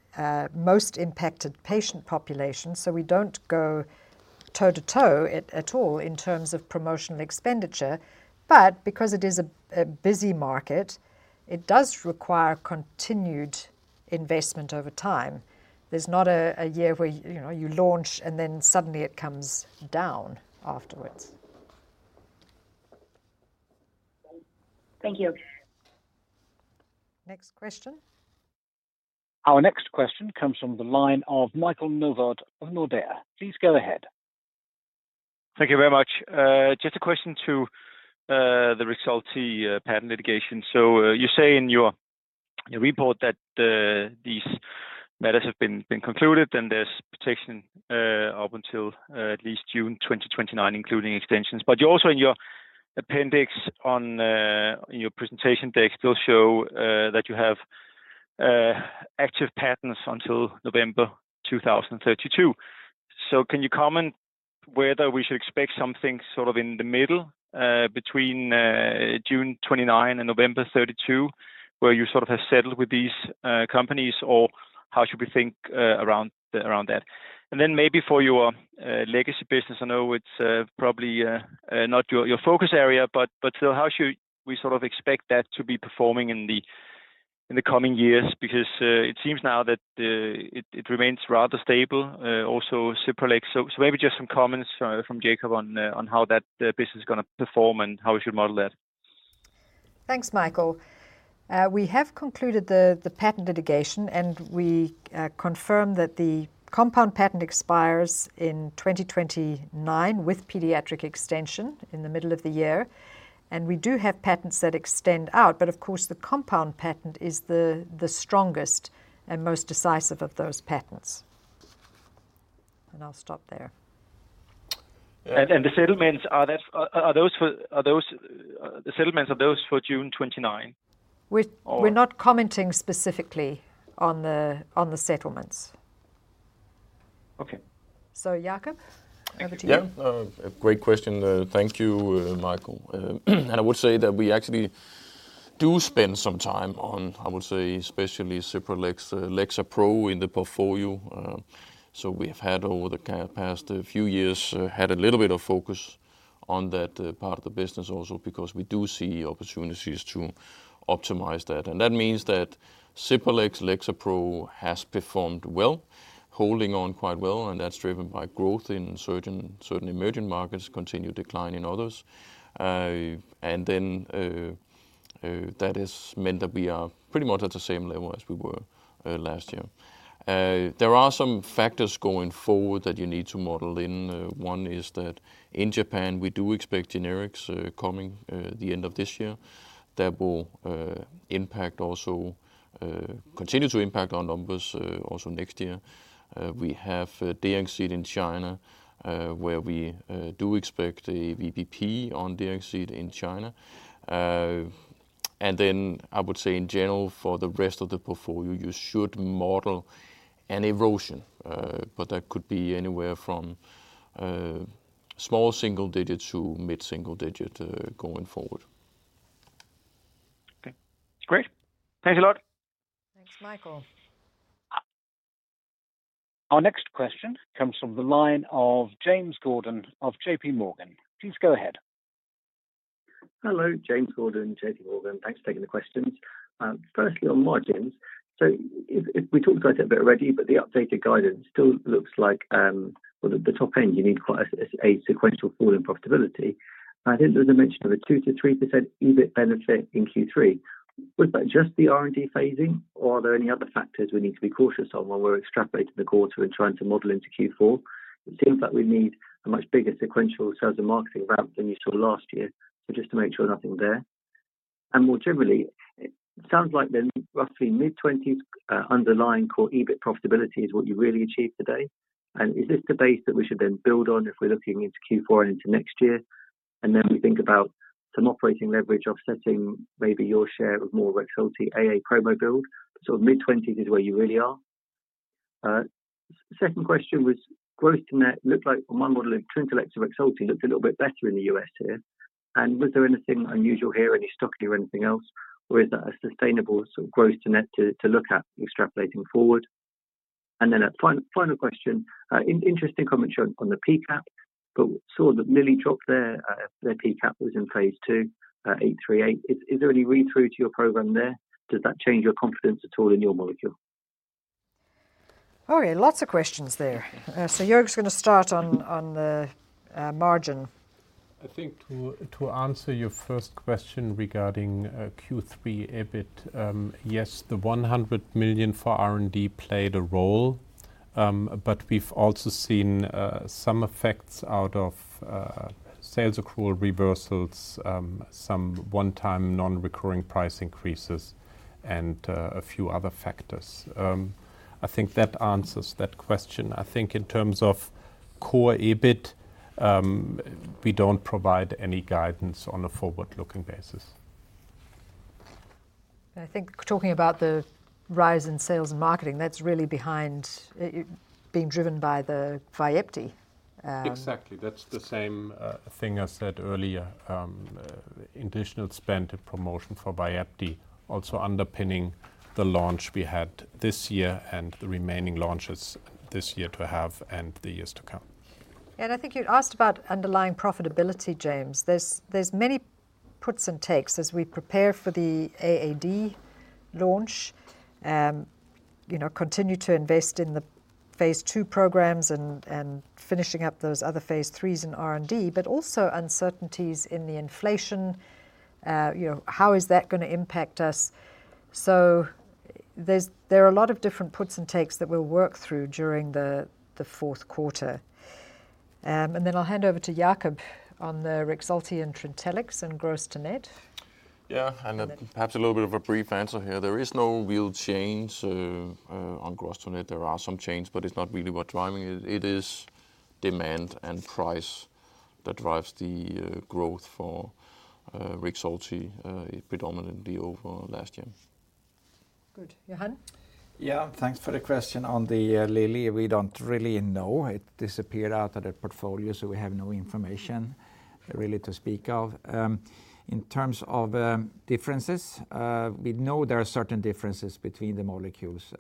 Speaker 2: most impacted patient population, so we don't go toe-to-toe at all in terms of promotional expenditure. Because it is a busy market, it does require continued investment over time. There's not a year where, you know, you launch and then suddenly it comes down afterwards.
Speaker 8: Thank you.
Speaker 2: Next question.
Speaker 1: Our next question comes from the line of Michael Novod of Nordea. Please go ahead.
Speaker 9: Thank you very much. Just a question to the Rexulti patent litigation. You say in your report that these matters have been concluded, and there's protection up until at least June 2029, including extensions. You also in your appendix and in your presentation deck still show that you have active patents until November 2032. Can you comment whether we should expect something sort of in the middle between June 2029 and November 2032, where you sort of have settled with these companies, or how should we think around that? Maybe for your legacy business, I know it's probably not your focus area, but so how should we sort of expect that to be performing in the coming years? Because it seems now that it remains rather stable, also Cipralex. So maybe just some comments from Jacob on how that business is gonna perform and how we should model that.
Speaker 2: Thanks, Michael. We have concluded the patent litigation, and we confirm that the compound patent expires in 2029 with pediatric extension in the middle of the year. We do have patents that extend out, but of course, the compound patent is the strongest and most decisive of those patents. I'll stop there.
Speaker 9: The settlements, are those for June 29?
Speaker 2: We're-
Speaker 9: Or-
Speaker 2: We're not commenting specifically on the settlements.
Speaker 9: Okay.
Speaker 2: Jacob, over to you.
Speaker 6: A great question. Thank you, Michael. I would say that we actually do spend some time on, I would say, especially Cipralex, Lexapro in the portfolio. We've had over the past few years a little bit of focus on that part of the business also because we do see opportunities to optimize that. That means that Cipralex, Lexapro has performed well, holding on quite well, and that's driven by growth in certain emerging markets, continued decline in others. That has meant that we are pretty much at the same level as we were last year. There are some factors going forward that you need to model in. One is that in Japan, we do expect generics coming at the end of this year. That will continue to impact our numbers also next year. We have Deanxit in China, where we do expect a VBP on Deanxit in China. I would say in general, for the rest of the portfolio, you should model an erosion, but that could be anywhere from small single-digit to mid-single-digit, going forward.
Speaker 9: Okay. Great. Thanks a lot.
Speaker 2: Thanks, Michael.
Speaker 1: Our next question comes from the line of James Gordon of J.P. Morgan. Please go ahead.
Speaker 10: Hello. James Gordon, J.P. Morgan. Thanks for taking the questions. Firstly, on margins. If we talked about it a bit already, but the updated guidance still looks like, well, at the top end, you need quite a sequential fall in profitability. I think there was a mention of a 2%-3% EBIT benefit in Q3. Was that just the R&D phasing, or are there any other factors we need to be cautious of when we're extrapolating the quarter and trying to model into Q4? It seems like we need a much bigger sequential sales and marketing ramp than you saw last year. Just to make sure nothing there. More generally, it sounds like the roughly mid-20s% underlying core EBIT profitability is what you really achieved today. Is this the base that we should then build on if we're looking into Q4 and into next year? We think about some operating leverage offsetting maybe your share of more Rexulti a promo build. Mid-twenties is where you really are. Second question was growth to net looked like from one model of Trintellix or Rexulti looked a little bit better in the US here. Was there anything unusual here, any stocking or anything else? Or is that a sustainable sort of growth to net to look at extrapolating forward? A final question. Interesting comment shown on the PACAP, but saw that Lilly dropped their PACAP was in phase II, LY3451838. Is there any read-through to your program there? Does that change your confidence at all in your molecule?
Speaker 2: Okay. Lots of questions there. Joerg's gonna start on the margin.
Speaker 3: I think to answer your first question regarding Q3 EBIT, yes, the 100 million for R&D played a role. We've also seen some effects out of sales accrual reversals, some one-time non-recurring price increases and a few other factors. I think that answers that question. I think in terms of core EBIT, we don't provide any guidance on a forward-looking basis.
Speaker 2: I think talking about the rise in sales and marketing, that's really behind it being driven by the Vyepti.
Speaker 3: Exactly. That's the same thing I said earlier. Additional spend and promotion for Vyepti also underpinning the launch we had this year and the remaining launches this year to have and the years to come.
Speaker 2: I think you'd asked about underlying profitability, James. There are many puts and takes as we prepare for the AAD launch. You know, continue to invest in the phase II programs and finishing up those other phase III's in R&D, but also uncertainties in the inflation. You know, how is that gonna impact us? There are a lot of different puts and takes that we'll work through during the fourth quarter. Then I'll hand over to Jacob on the Rexulti and Trintellix and gross to net.
Speaker 6: Yeah.
Speaker 2: And then-
Speaker 6: Perhaps a little bit of a brief answer here. There is no real change on gross to net. There are some change, but it's not really what driving it. It is demand and price that drives the growth for Rexulti, predominantly over last year.
Speaker 2: Good. Johan?
Speaker 4: Yeah. Thanks for the question. On the Lilly, we don't really know. It disappeared out of the portfolio, so we have no information really to speak of. In terms of differences, we know there are certain differences between the molecules.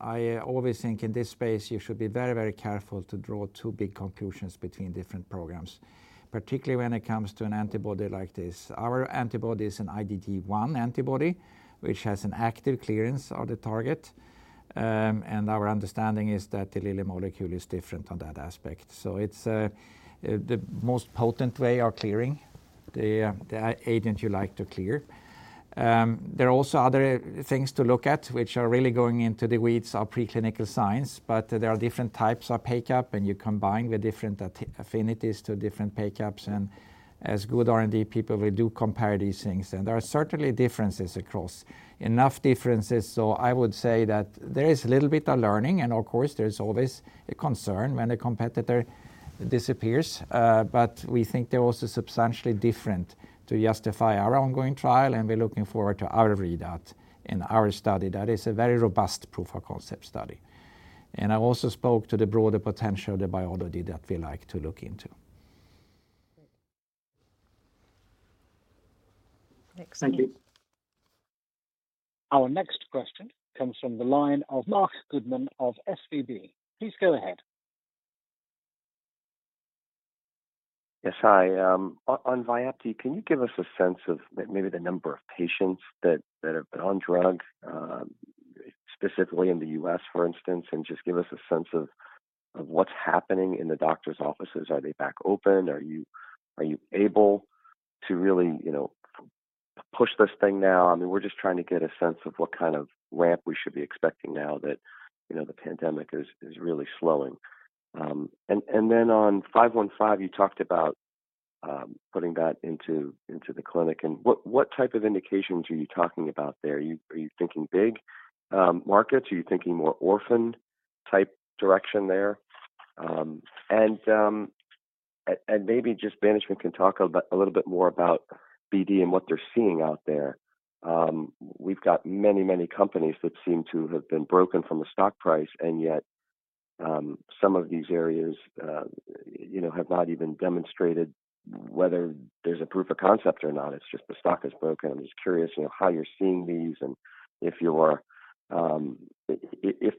Speaker 4: I always think in this space you should be very, very careful to draw too big conclusions between different programs, particularly when it comes to an antibody like this. Our antibody is an IgG1 antibody, which has an active clearance of the target. Our understanding is that the Lilly molecule is different on that aspect. So it's the most potent way of clearing the antigen you like to clear. There are also other things to look at which are really going into the weeds of preclinical science. There are different types of PACAP, and you combine the different affinities to different PACAPs. As good R&D people, we do compare these things. There are certainly differences across. Enough differences so I would say that there is a little bit of learning, and of course there's always a concern when a competitor disappears. We think they're also substantially different to justify our ongoing trial, and we're looking forward to our read out in our study that is a very robust proof of concept study. I also spoke to the broader potential, the biology that we like to look into.
Speaker 2: Great. Next one.
Speaker 4: Thank you.
Speaker 1: Our next question comes from the line of Marc Goodman of SVB Leerink. Please go ahead.
Speaker 11: Yes. Hi. On Vyepti, can you give us a sense of maybe the number of patients that have been on drug, specifically in the U.S., for instance, and just give us a sense of what's happening in the doctor's offices? Are they back open? Are you able to really, you know, push this thing now? I mean, we're just trying to get a sense of what kind of ramp we should be expecting now that, you know, the pandemic is really slowing. And then on 515 you talked about putting that into the clinic, and what type of indications are you talking about there? Are you thinking big markets? Are you thinking more orphan type direction there? Maybe just management can talk a little bit more about BD and what they're seeing out there. We've got many companies that seem to have been broken from a stock price, and yet, some of these areas, you know, have not even demonstrated whether there's a proof of concept or not. It's just the stock is broken. I'm just curious, you know, how you're seeing these and if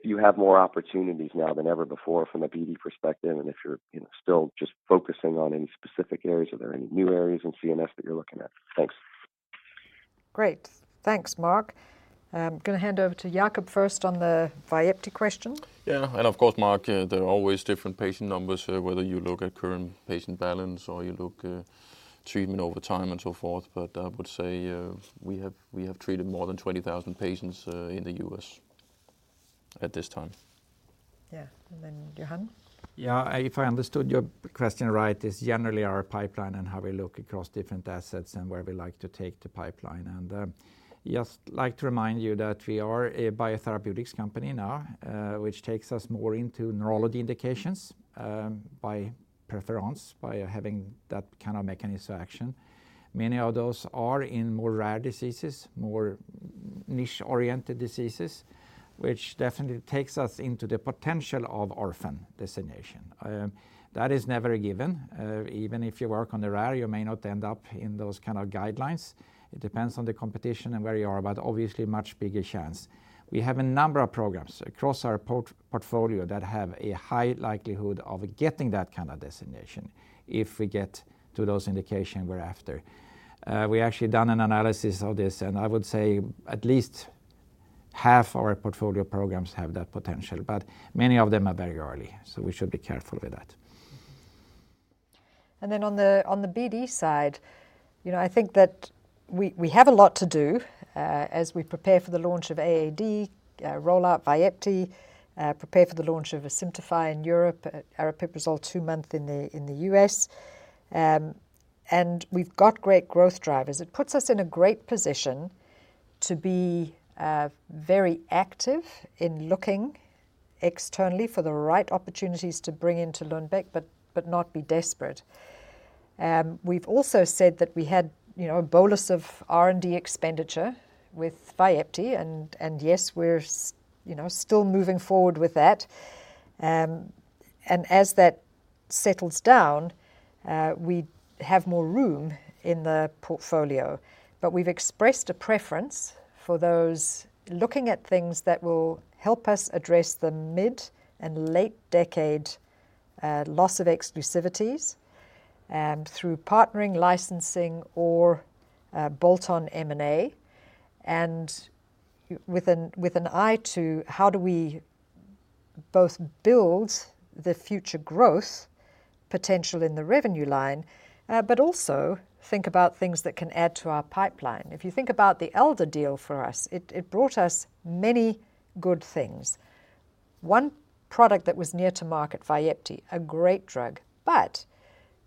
Speaker 11: you have more opportunities now than ever before from a BD perspective, and if you're, you know, still just focusing on any specific areas. Are there any new areas in CNS that you're looking at? Thanks.
Speaker 2: Great. Thanks, Marc. I'm gonna hand over to Jacob first on the Vyepti question.
Speaker 6: Of course, Marc, there are always different patient numbers here, whether you look at current patient balance or you look, treatment over time and so forth. I would say, we have treated more than 20,000 patients in the US at this time.
Speaker 2: Yeah. Johan.
Speaker 4: Yeah. If I understood your question right, it's generally our pipeline and how we look across different assets and where we like to take the pipeline. Just like to remind you that we are a biotherapeutics company now, which takes us more into neurology indications, by preference, by having that kind of mechanism action. Many of those are in more rare diseases, more niche-oriented diseases, which definitely takes us into the potential of orphan designation. That is never a given. Even if you work on the rare, you may not end up in those kind of guidelines. It depends on the competition and where you are, but obviously much bigger chance. We have a number of programs across our portfolio that have a high likelihood of getting that kind of designation if we get to those indication we're after. We actually done an analysis of this, and I would say at least half our portfolio programs have that potential, but many of them are very early, so we should be careful with that.
Speaker 2: On the BD side, you know, I think that we have a lot to do as we prepare for the launch of AAD, roll out Vyepti, prepare for the launch of Asimtufii in Europe, aripiprazole two month in the US. We've got great growth drivers. It puts us in a great position to be very active in looking externally for the right opportunities to bring into Lundbeck, but not be desperate. We've also said that we had, you know, a bolus of R&D expenditure with Vyepti and yes, we're you know still moving forward with that. As that settles down, we have more room in the portfolio. We've expressed a preference for those looking at things that will help us address the mid and late decade loss of exclusivities through partnering, licensing, or bolt-on M&A, and with an eye to how do we both build the future growth potential in the revenue line, but also think about things that can add to our pipeline. If you think about the Alder deal for us, it brought us many good things. One product that was near to market, Vyepti, a great drug,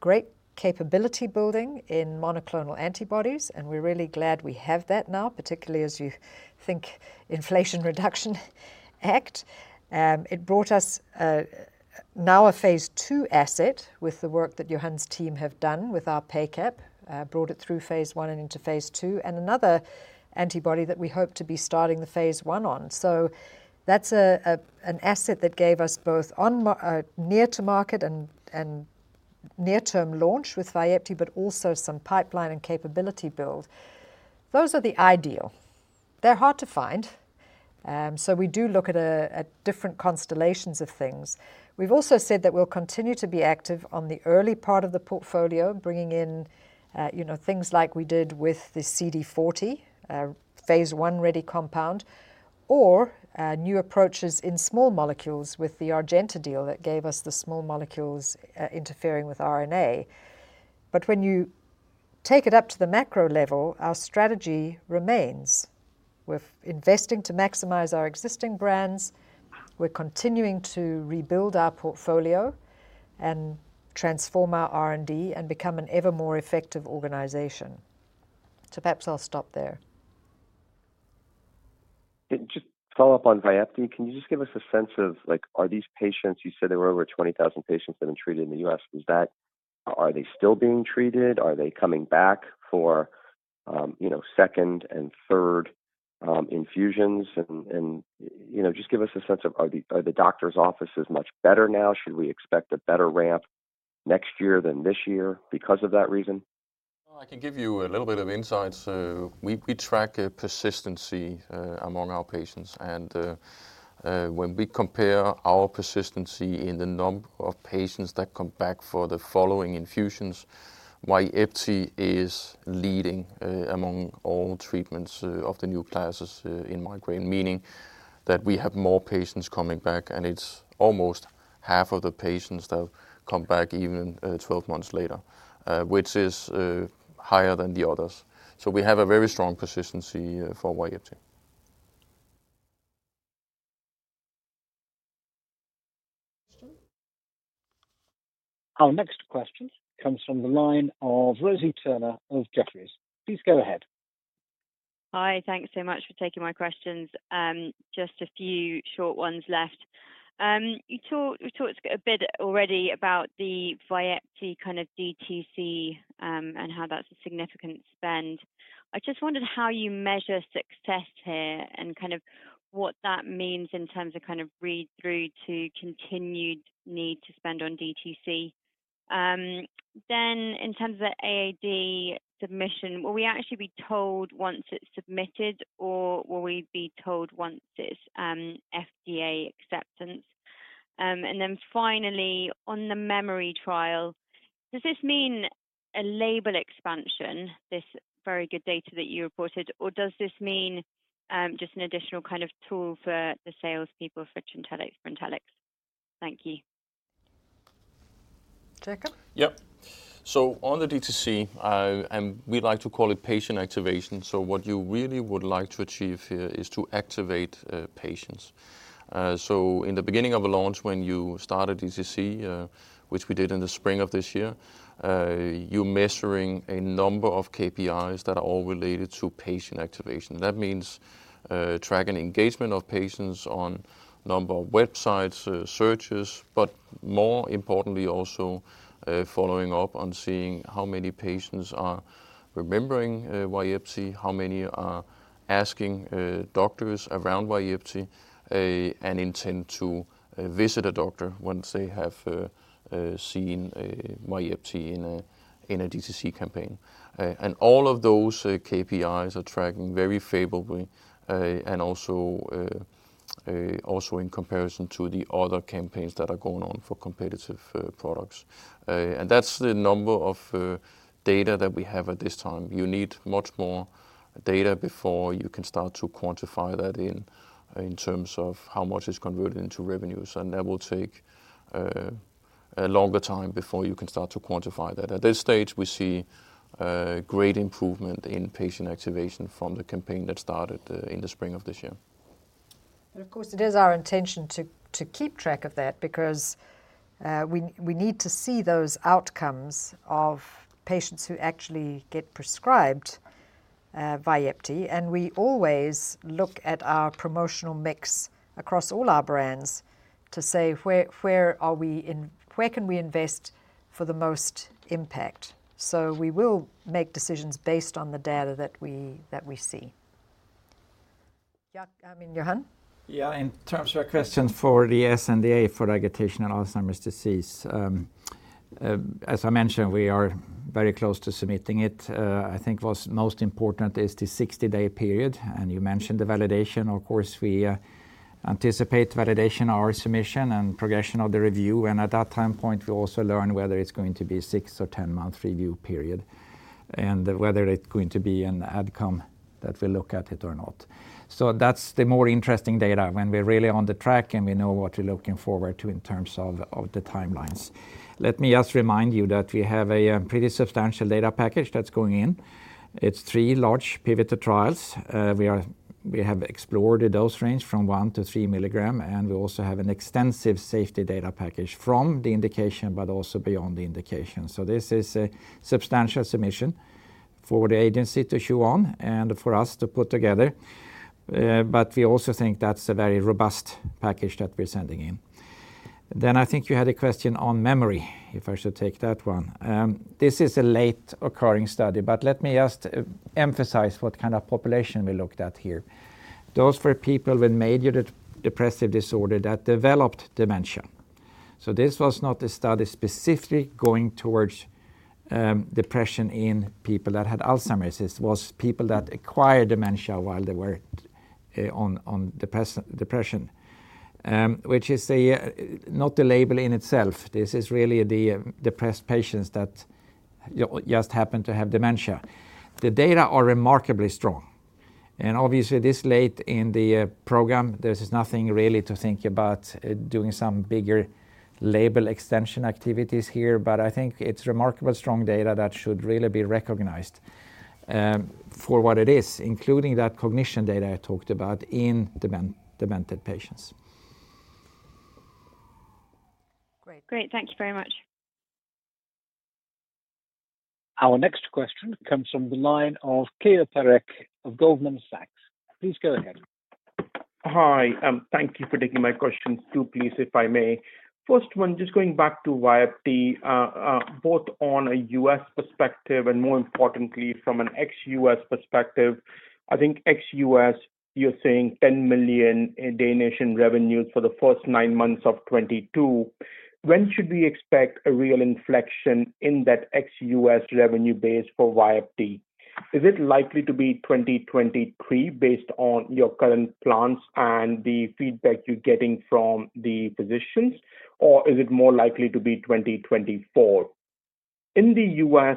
Speaker 2: but great capability building in monoclonal antibodies, and we're really glad we have that now, particularly as you think Inflation Reduction Act. It brought us now a phase II asset with the work that Johan's team have done with our PACAP, brought it through phase I and into phase II, and another antibody that we hope to be starting the phase I on. That's an asset that gave us both a near to market and near-term launch with Vyepti, but also some pipeline and capability build. Those are the ideal. They're hard to find, we do look at different constellations of things. We've also said that we'll continue to be active on the early part of the portfolio, bringing in you know things like we did with the CD40, a phase I-ready compound, or new approaches in small molecules with the Rgenta deal that gave us the small molecules interfering with RNA. When you take it up to the macro level, our strategy remains. We're investing to maximize our existing brands. We're continuing to rebuild our portfolio and transform our R&D and become an ever more effective organization. Perhaps I'll stop there.
Speaker 11: Just to follow up on Vyepti, can you just give us a sense of like, are these patients, you said there were over 20,000 patients that have been treated in the U.S. Are they still being treated? Are they coming back for, you know, second and third infusions? And you know, just give us a sense of are the doctor's offices much better now? Should we expect a better ramp next year than this year because of that reason?
Speaker 6: Well, I can give you a little bit of insight. We track a persistency among our patients. When we compare our persistency in the number of patients that come back for the following infusions, Vyepti is leading among all treatments of the new classes in migraine, meaning that we have more patients coming back, and it's almost half of the patients that come back even 12 months later, which is higher than the others. We have a very strong persistency for Vyepti.
Speaker 2: Christian?
Speaker 1: Our next question comes from the line of Rosie Turner of Jefferies. Please go ahead.
Speaker 12: Hi. Thanks so much for taking my questions. Just a few short ones left. You talked a bit already about the Vyepti kind of DTC, and how that's a significant spend. I just wondered how you measure success here and kind of what that means in terms of kind of read-through to continued need to spend on DTC. Then in terms of the AAD submission, will we actually be told once it's submitted, or will we be told once it's FDA acceptance? And then finally, on the memory trial, does this mean a label expansion, this very good data that you reported, or does this mean just an additional kind of tool for the salespeople for Trintellix? Thank you.
Speaker 2: Jacob?
Speaker 6: Yep. On the DTC, we like to call it patient activation. What you really would like to achieve here is to activate patients. In the beginning of a launch when you start a DTC, which we did in the spring of this year, you're measuring a number of KPIs that are all related to patient activation. That means tracking engagement of patients on a number of websites, searches, but more importantly, also following up on seeing how many patients are remembering Vyepti, how many are asking doctors about Vyepti, and intend to visit a doctor once they have seen Vyepti in a DTC campaign. All of those KPIs are tracking very favorably, and also in comparison to the other campaigns that are going on for competitive products. That's the number of data that we have at this time. You need much more data before you can start to quantify that in terms of how much is converted into revenues, and that will take a longer time before you can start to quantify that. At this stage, we see great improvement in patient activation from the campaign that started in the spring of this year.
Speaker 2: Of course, it is our intention to keep track of that because we need to see those outcomes of patients who actually get prescribed Vyepti, and we always look at our promotional mix across all our brands to say where are we in, where can we invest for the most impact? We will make decisions based on the data that we see. Jacob, I mean, Johan?
Speaker 4: Yeah. In terms of your question for the sNDA for agitation in Alzheimer's disease, as I mentioned, we are very close to submitting it. I think what's most important is the 60-day period, and you mentioned the validation. Of course, we anticipate validation, our submission, and progression of the review. At that time point, we'll also learn whether it's going to be a six- or 10-month review period and whether it's going to be an outcome that will look at it or not. That's the more interesting data when we're really on the track and we know what we're looking forward to in terms of the timelines. Let me just remind you that we have a pretty substantial data package that's going in. It's three large pivotal trials. We have explored the dose range from 1-3 mgs, and we also have an extensive safety data package from the indication but also beyond the indication. This is a substantial submission for the agency to chew on and for us to put together. We also think that's a very robust package that we're sending in. I think you had a question on memory, if I should take that one. This is a late occurring study, but let me just emphasize what kind of population we looked at here. Those were people with major depressive disorder that developed dementia. This was not a study specifically going towards depression in people that had Alzheimer's. This was people that acquired dementia while they were on depression, which is not the label in itself. This is really the depressed patients that just happen to have dementia. The data are remarkably strong. Obviously this late in the program, there's nothing really to think about doing some bigger label extension activities here. I think it's remarkable strong data that should really be recognized for what it is, including that cognition data I talked about in demented patients.
Speaker 1: Great. Thank you very much. Our next question comes from the line of Keyur Parekh of Goldman Sachs. Please go ahead.
Speaker 13: Hi, thank you for taking my questions too, please, if I may. First one, just going back to Vyepti, both on a U.S. perspective and more importantly from an ex-U.S. perspective. I think ex-U.S., you're saying 10 million in net revenues for the first nine months of 2022. When should we expect a real inflection in that ex-U.S. revenue base for Vyepti? Is it likely to be 2023 based on your current plans and the feedback you're getting from the physicians? Or is it more likely to be 2024? In the U.S.,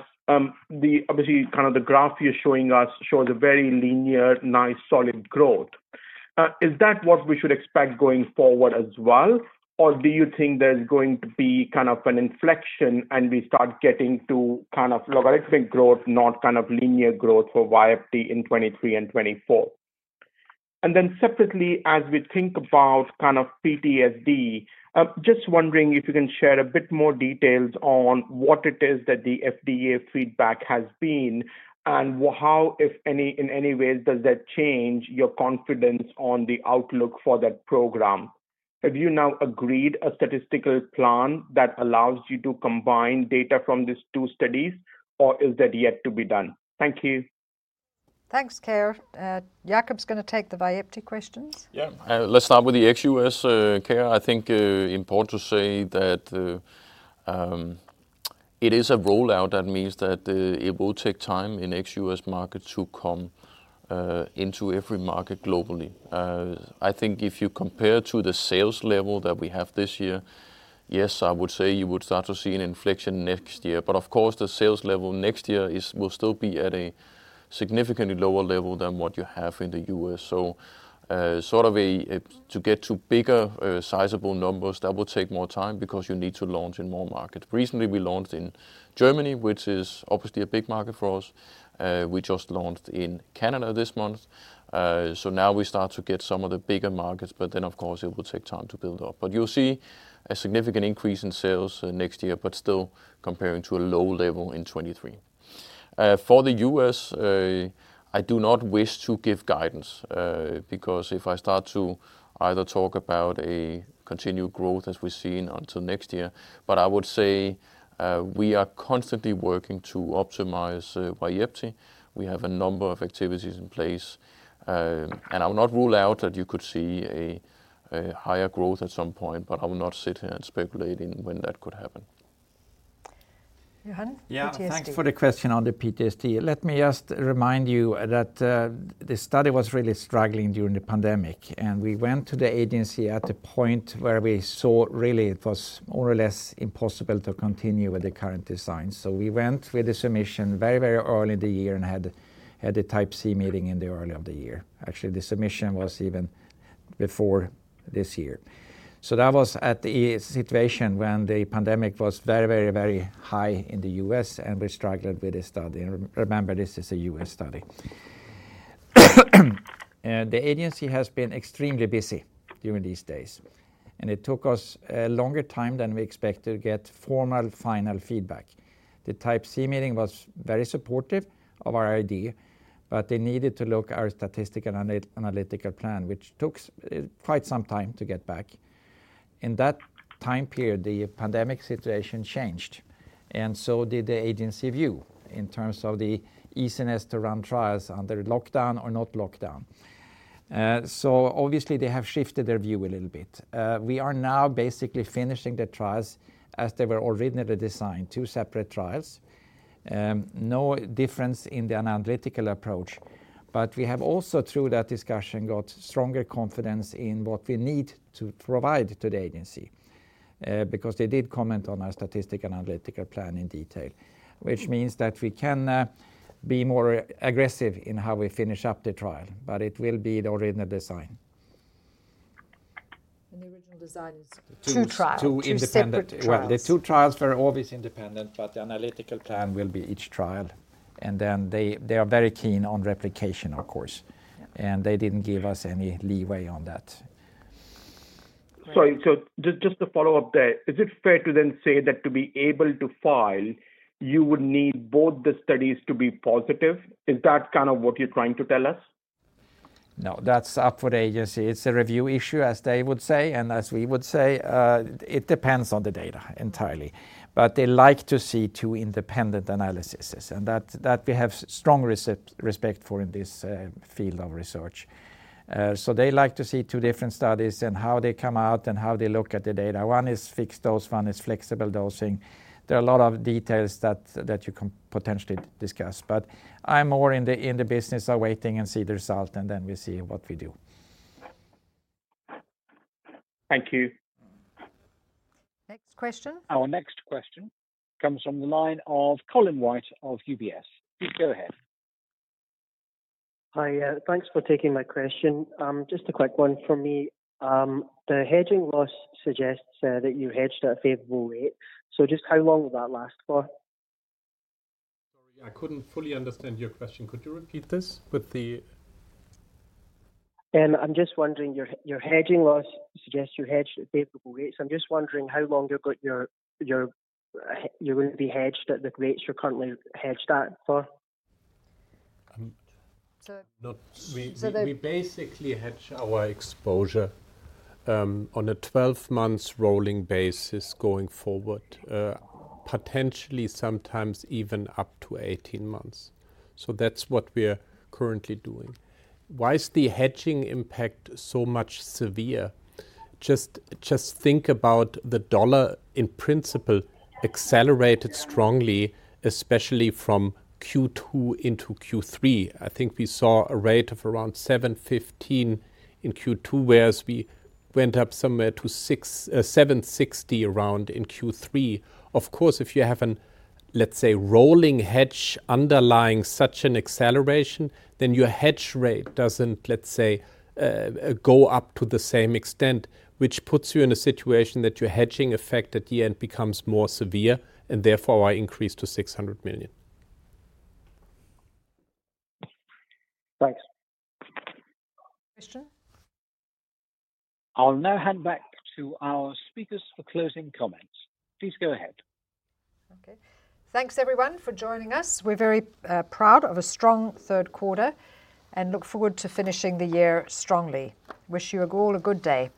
Speaker 13: the obviously kind of the graph you're showing us shows a very linear, nice, solid growth. Is that what we should expect going forward as well? Do you think there's going to be kind of an inflection and we start getting to kind of logarithmic growth, not kind of linear growth for Vyepti in 2023 and 2024? Then separately, as we think about kind of PTSD, just wondering if you can share a bit more details on what it is that the FDA feedback has been and how, if any, in any ways does that change your confidence on the outlook for that program. Have you now agreed a statistical plan that allows you to combine data from these two studies, or is that yet to be done? Thank you.
Speaker 2: Thanks, Keyur. Jacob is gonna take the Vyepti questions.
Speaker 6: Yeah. Let's start with the ex-U.S., Keyur. I think important to say that it is a rollout that means that it will take time in ex-U.S. market to come into every market globally. I think if you compare to the sales level that we have this year, yes, I would say you would start to see an inflection next year. But of course, the sales level next year will still be at a significantly lower level than what you have in the U.S. So, sort of a to get to bigger sizable numbers, that will take more time because you need to launch in more markets. Recently, we launched in Germany, which is obviously a big market for us. We just launched in Canada this month. Now we start to get some of the bigger markets, but then of course it will take time to build up. You'll see a significant increase in sales next year, but still comparing to a low level in 2023. For the U.S., I do not wish to give guidance because if I start to either talk about a continued growth as we've seen until next year. I would say we are constantly working to optimize Vyepti. We have a number of activities in place, and I will not rule out that you could see a higher growth at some point, but I will not sit here and speculate in when that could happen.
Speaker 2: Johan, PTSD.
Speaker 4: Thanks for the question on the PTSD. Let me just remind you that the study was really struggling during the pandemic, and we went to the agency at a point where we saw really it was more or less impossible to continue with the current design. We went with the submission very early in the year and had a Type C meeting in the early of the year. Actually, the submission was even before this year. That was at a situation when the pandemic was very high in the U.S., and we struggled with the study. Remember, this is a U.S. study. The agency has been extremely busy during these days, and it took us a longer time than we expected to get formal final feedback. The Type C meeting was very supportive of our idea, but they needed to look at our statistical analytical plan, which took quite some time to get back. In that time period, the pandemic situation changed, and so did the agency view in terms of the easiness to run trials under lockdown or not lockdown. Obviously they have shifted their view a little bit. We are now basically finishing the trials as they were originally designed, two separate trials. No difference in the analytical approach, but we have also, through that discussion, got stronger confidence in what we need to provide to the agency, because they did comment on our statistical analytical plan in detail. Which means that we can be more aggressive in how we finish up the trial, but it will be the original design.
Speaker 2: The original design is two trials.
Speaker 4: Two independent.
Speaker 2: Two separate trials.
Speaker 4: Well, the two trials were always independent, but the analytical plan will be each trial. They are very keen on replication, of course.
Speaker 2: Yeah.
Speaker 4: They didn't give us any leeway on that.
Speaker 13: Sorry, just to follow up there, is it fair to then say that to be able to file, you would need both the studies to be positive? Is that kind of what you're trying to tell us?
Speaker 4: No, that's up for the agency. It's a review issue, as they would say, and as we would say. It depends on the data entirely. They like to see two independent analyses, and that we have strong respect for in this field of research. They like to see two different studies and how they come out and how they look at the data. One is fixed dose, one is flexible dosing. There are a lot of details that you can potentially discuss. I'm more in the business of waiting and see the result, and then we see what we do.
Speaker 13: Thank you.
Speaker 2: Next question.
Speaker 1: Our next question comes from the line of Colin White of UBS. Please go ahead.
Speaker 14: Hi, thanks for taking my question. Just a quick one from me. The hedging loss suggests that you hedged at a favorable rate. Just how long will that last for?
Speaker 3: Sorry, I couldn't fully understand your question. Could you repeat this.
Speaker 14: I'm just wondering, your hedging loss suggests you hedged at favorable rates. I'm just wondering how long you're going to be hedged at the rates you're currently hedged at for.
Speaker 3: Um-
Speaker 2: So-
Speaker 3: No. We
Speaker 2: So the-
Speaker 3: We basically hedge our exposure on a 12-month rolling basis going forward, potentially sometimes even up to 18 months. That's what we're currently doing. Why is the hedging impact so much severe? Just think about the dollar in principle accelerated strongly, especially from Q2 into Q3. I think we saw a rate of around 7.15 in Q2, whereas we went up somewhere to 7.60 around in Q3. Of course, if you have an, let's say, rolling hedge underlying such an acceleration, then your hedge rate doesn't, let's say, go up to the same extent, which puts you in a situation that your hedging effect at the end becomes more severe and therefore why increase to 600 million.
Speaker 14: Thanks.
Speaker 2: Question.
Speaker 1: I'll now hand back to our speakers for closing comments. Please go ahead.
Speaker 2: Okay. Thanks everyone for joining us. We're very proud of a strong third quarter and look forward to finishing the year strongly. Wish you all a good day.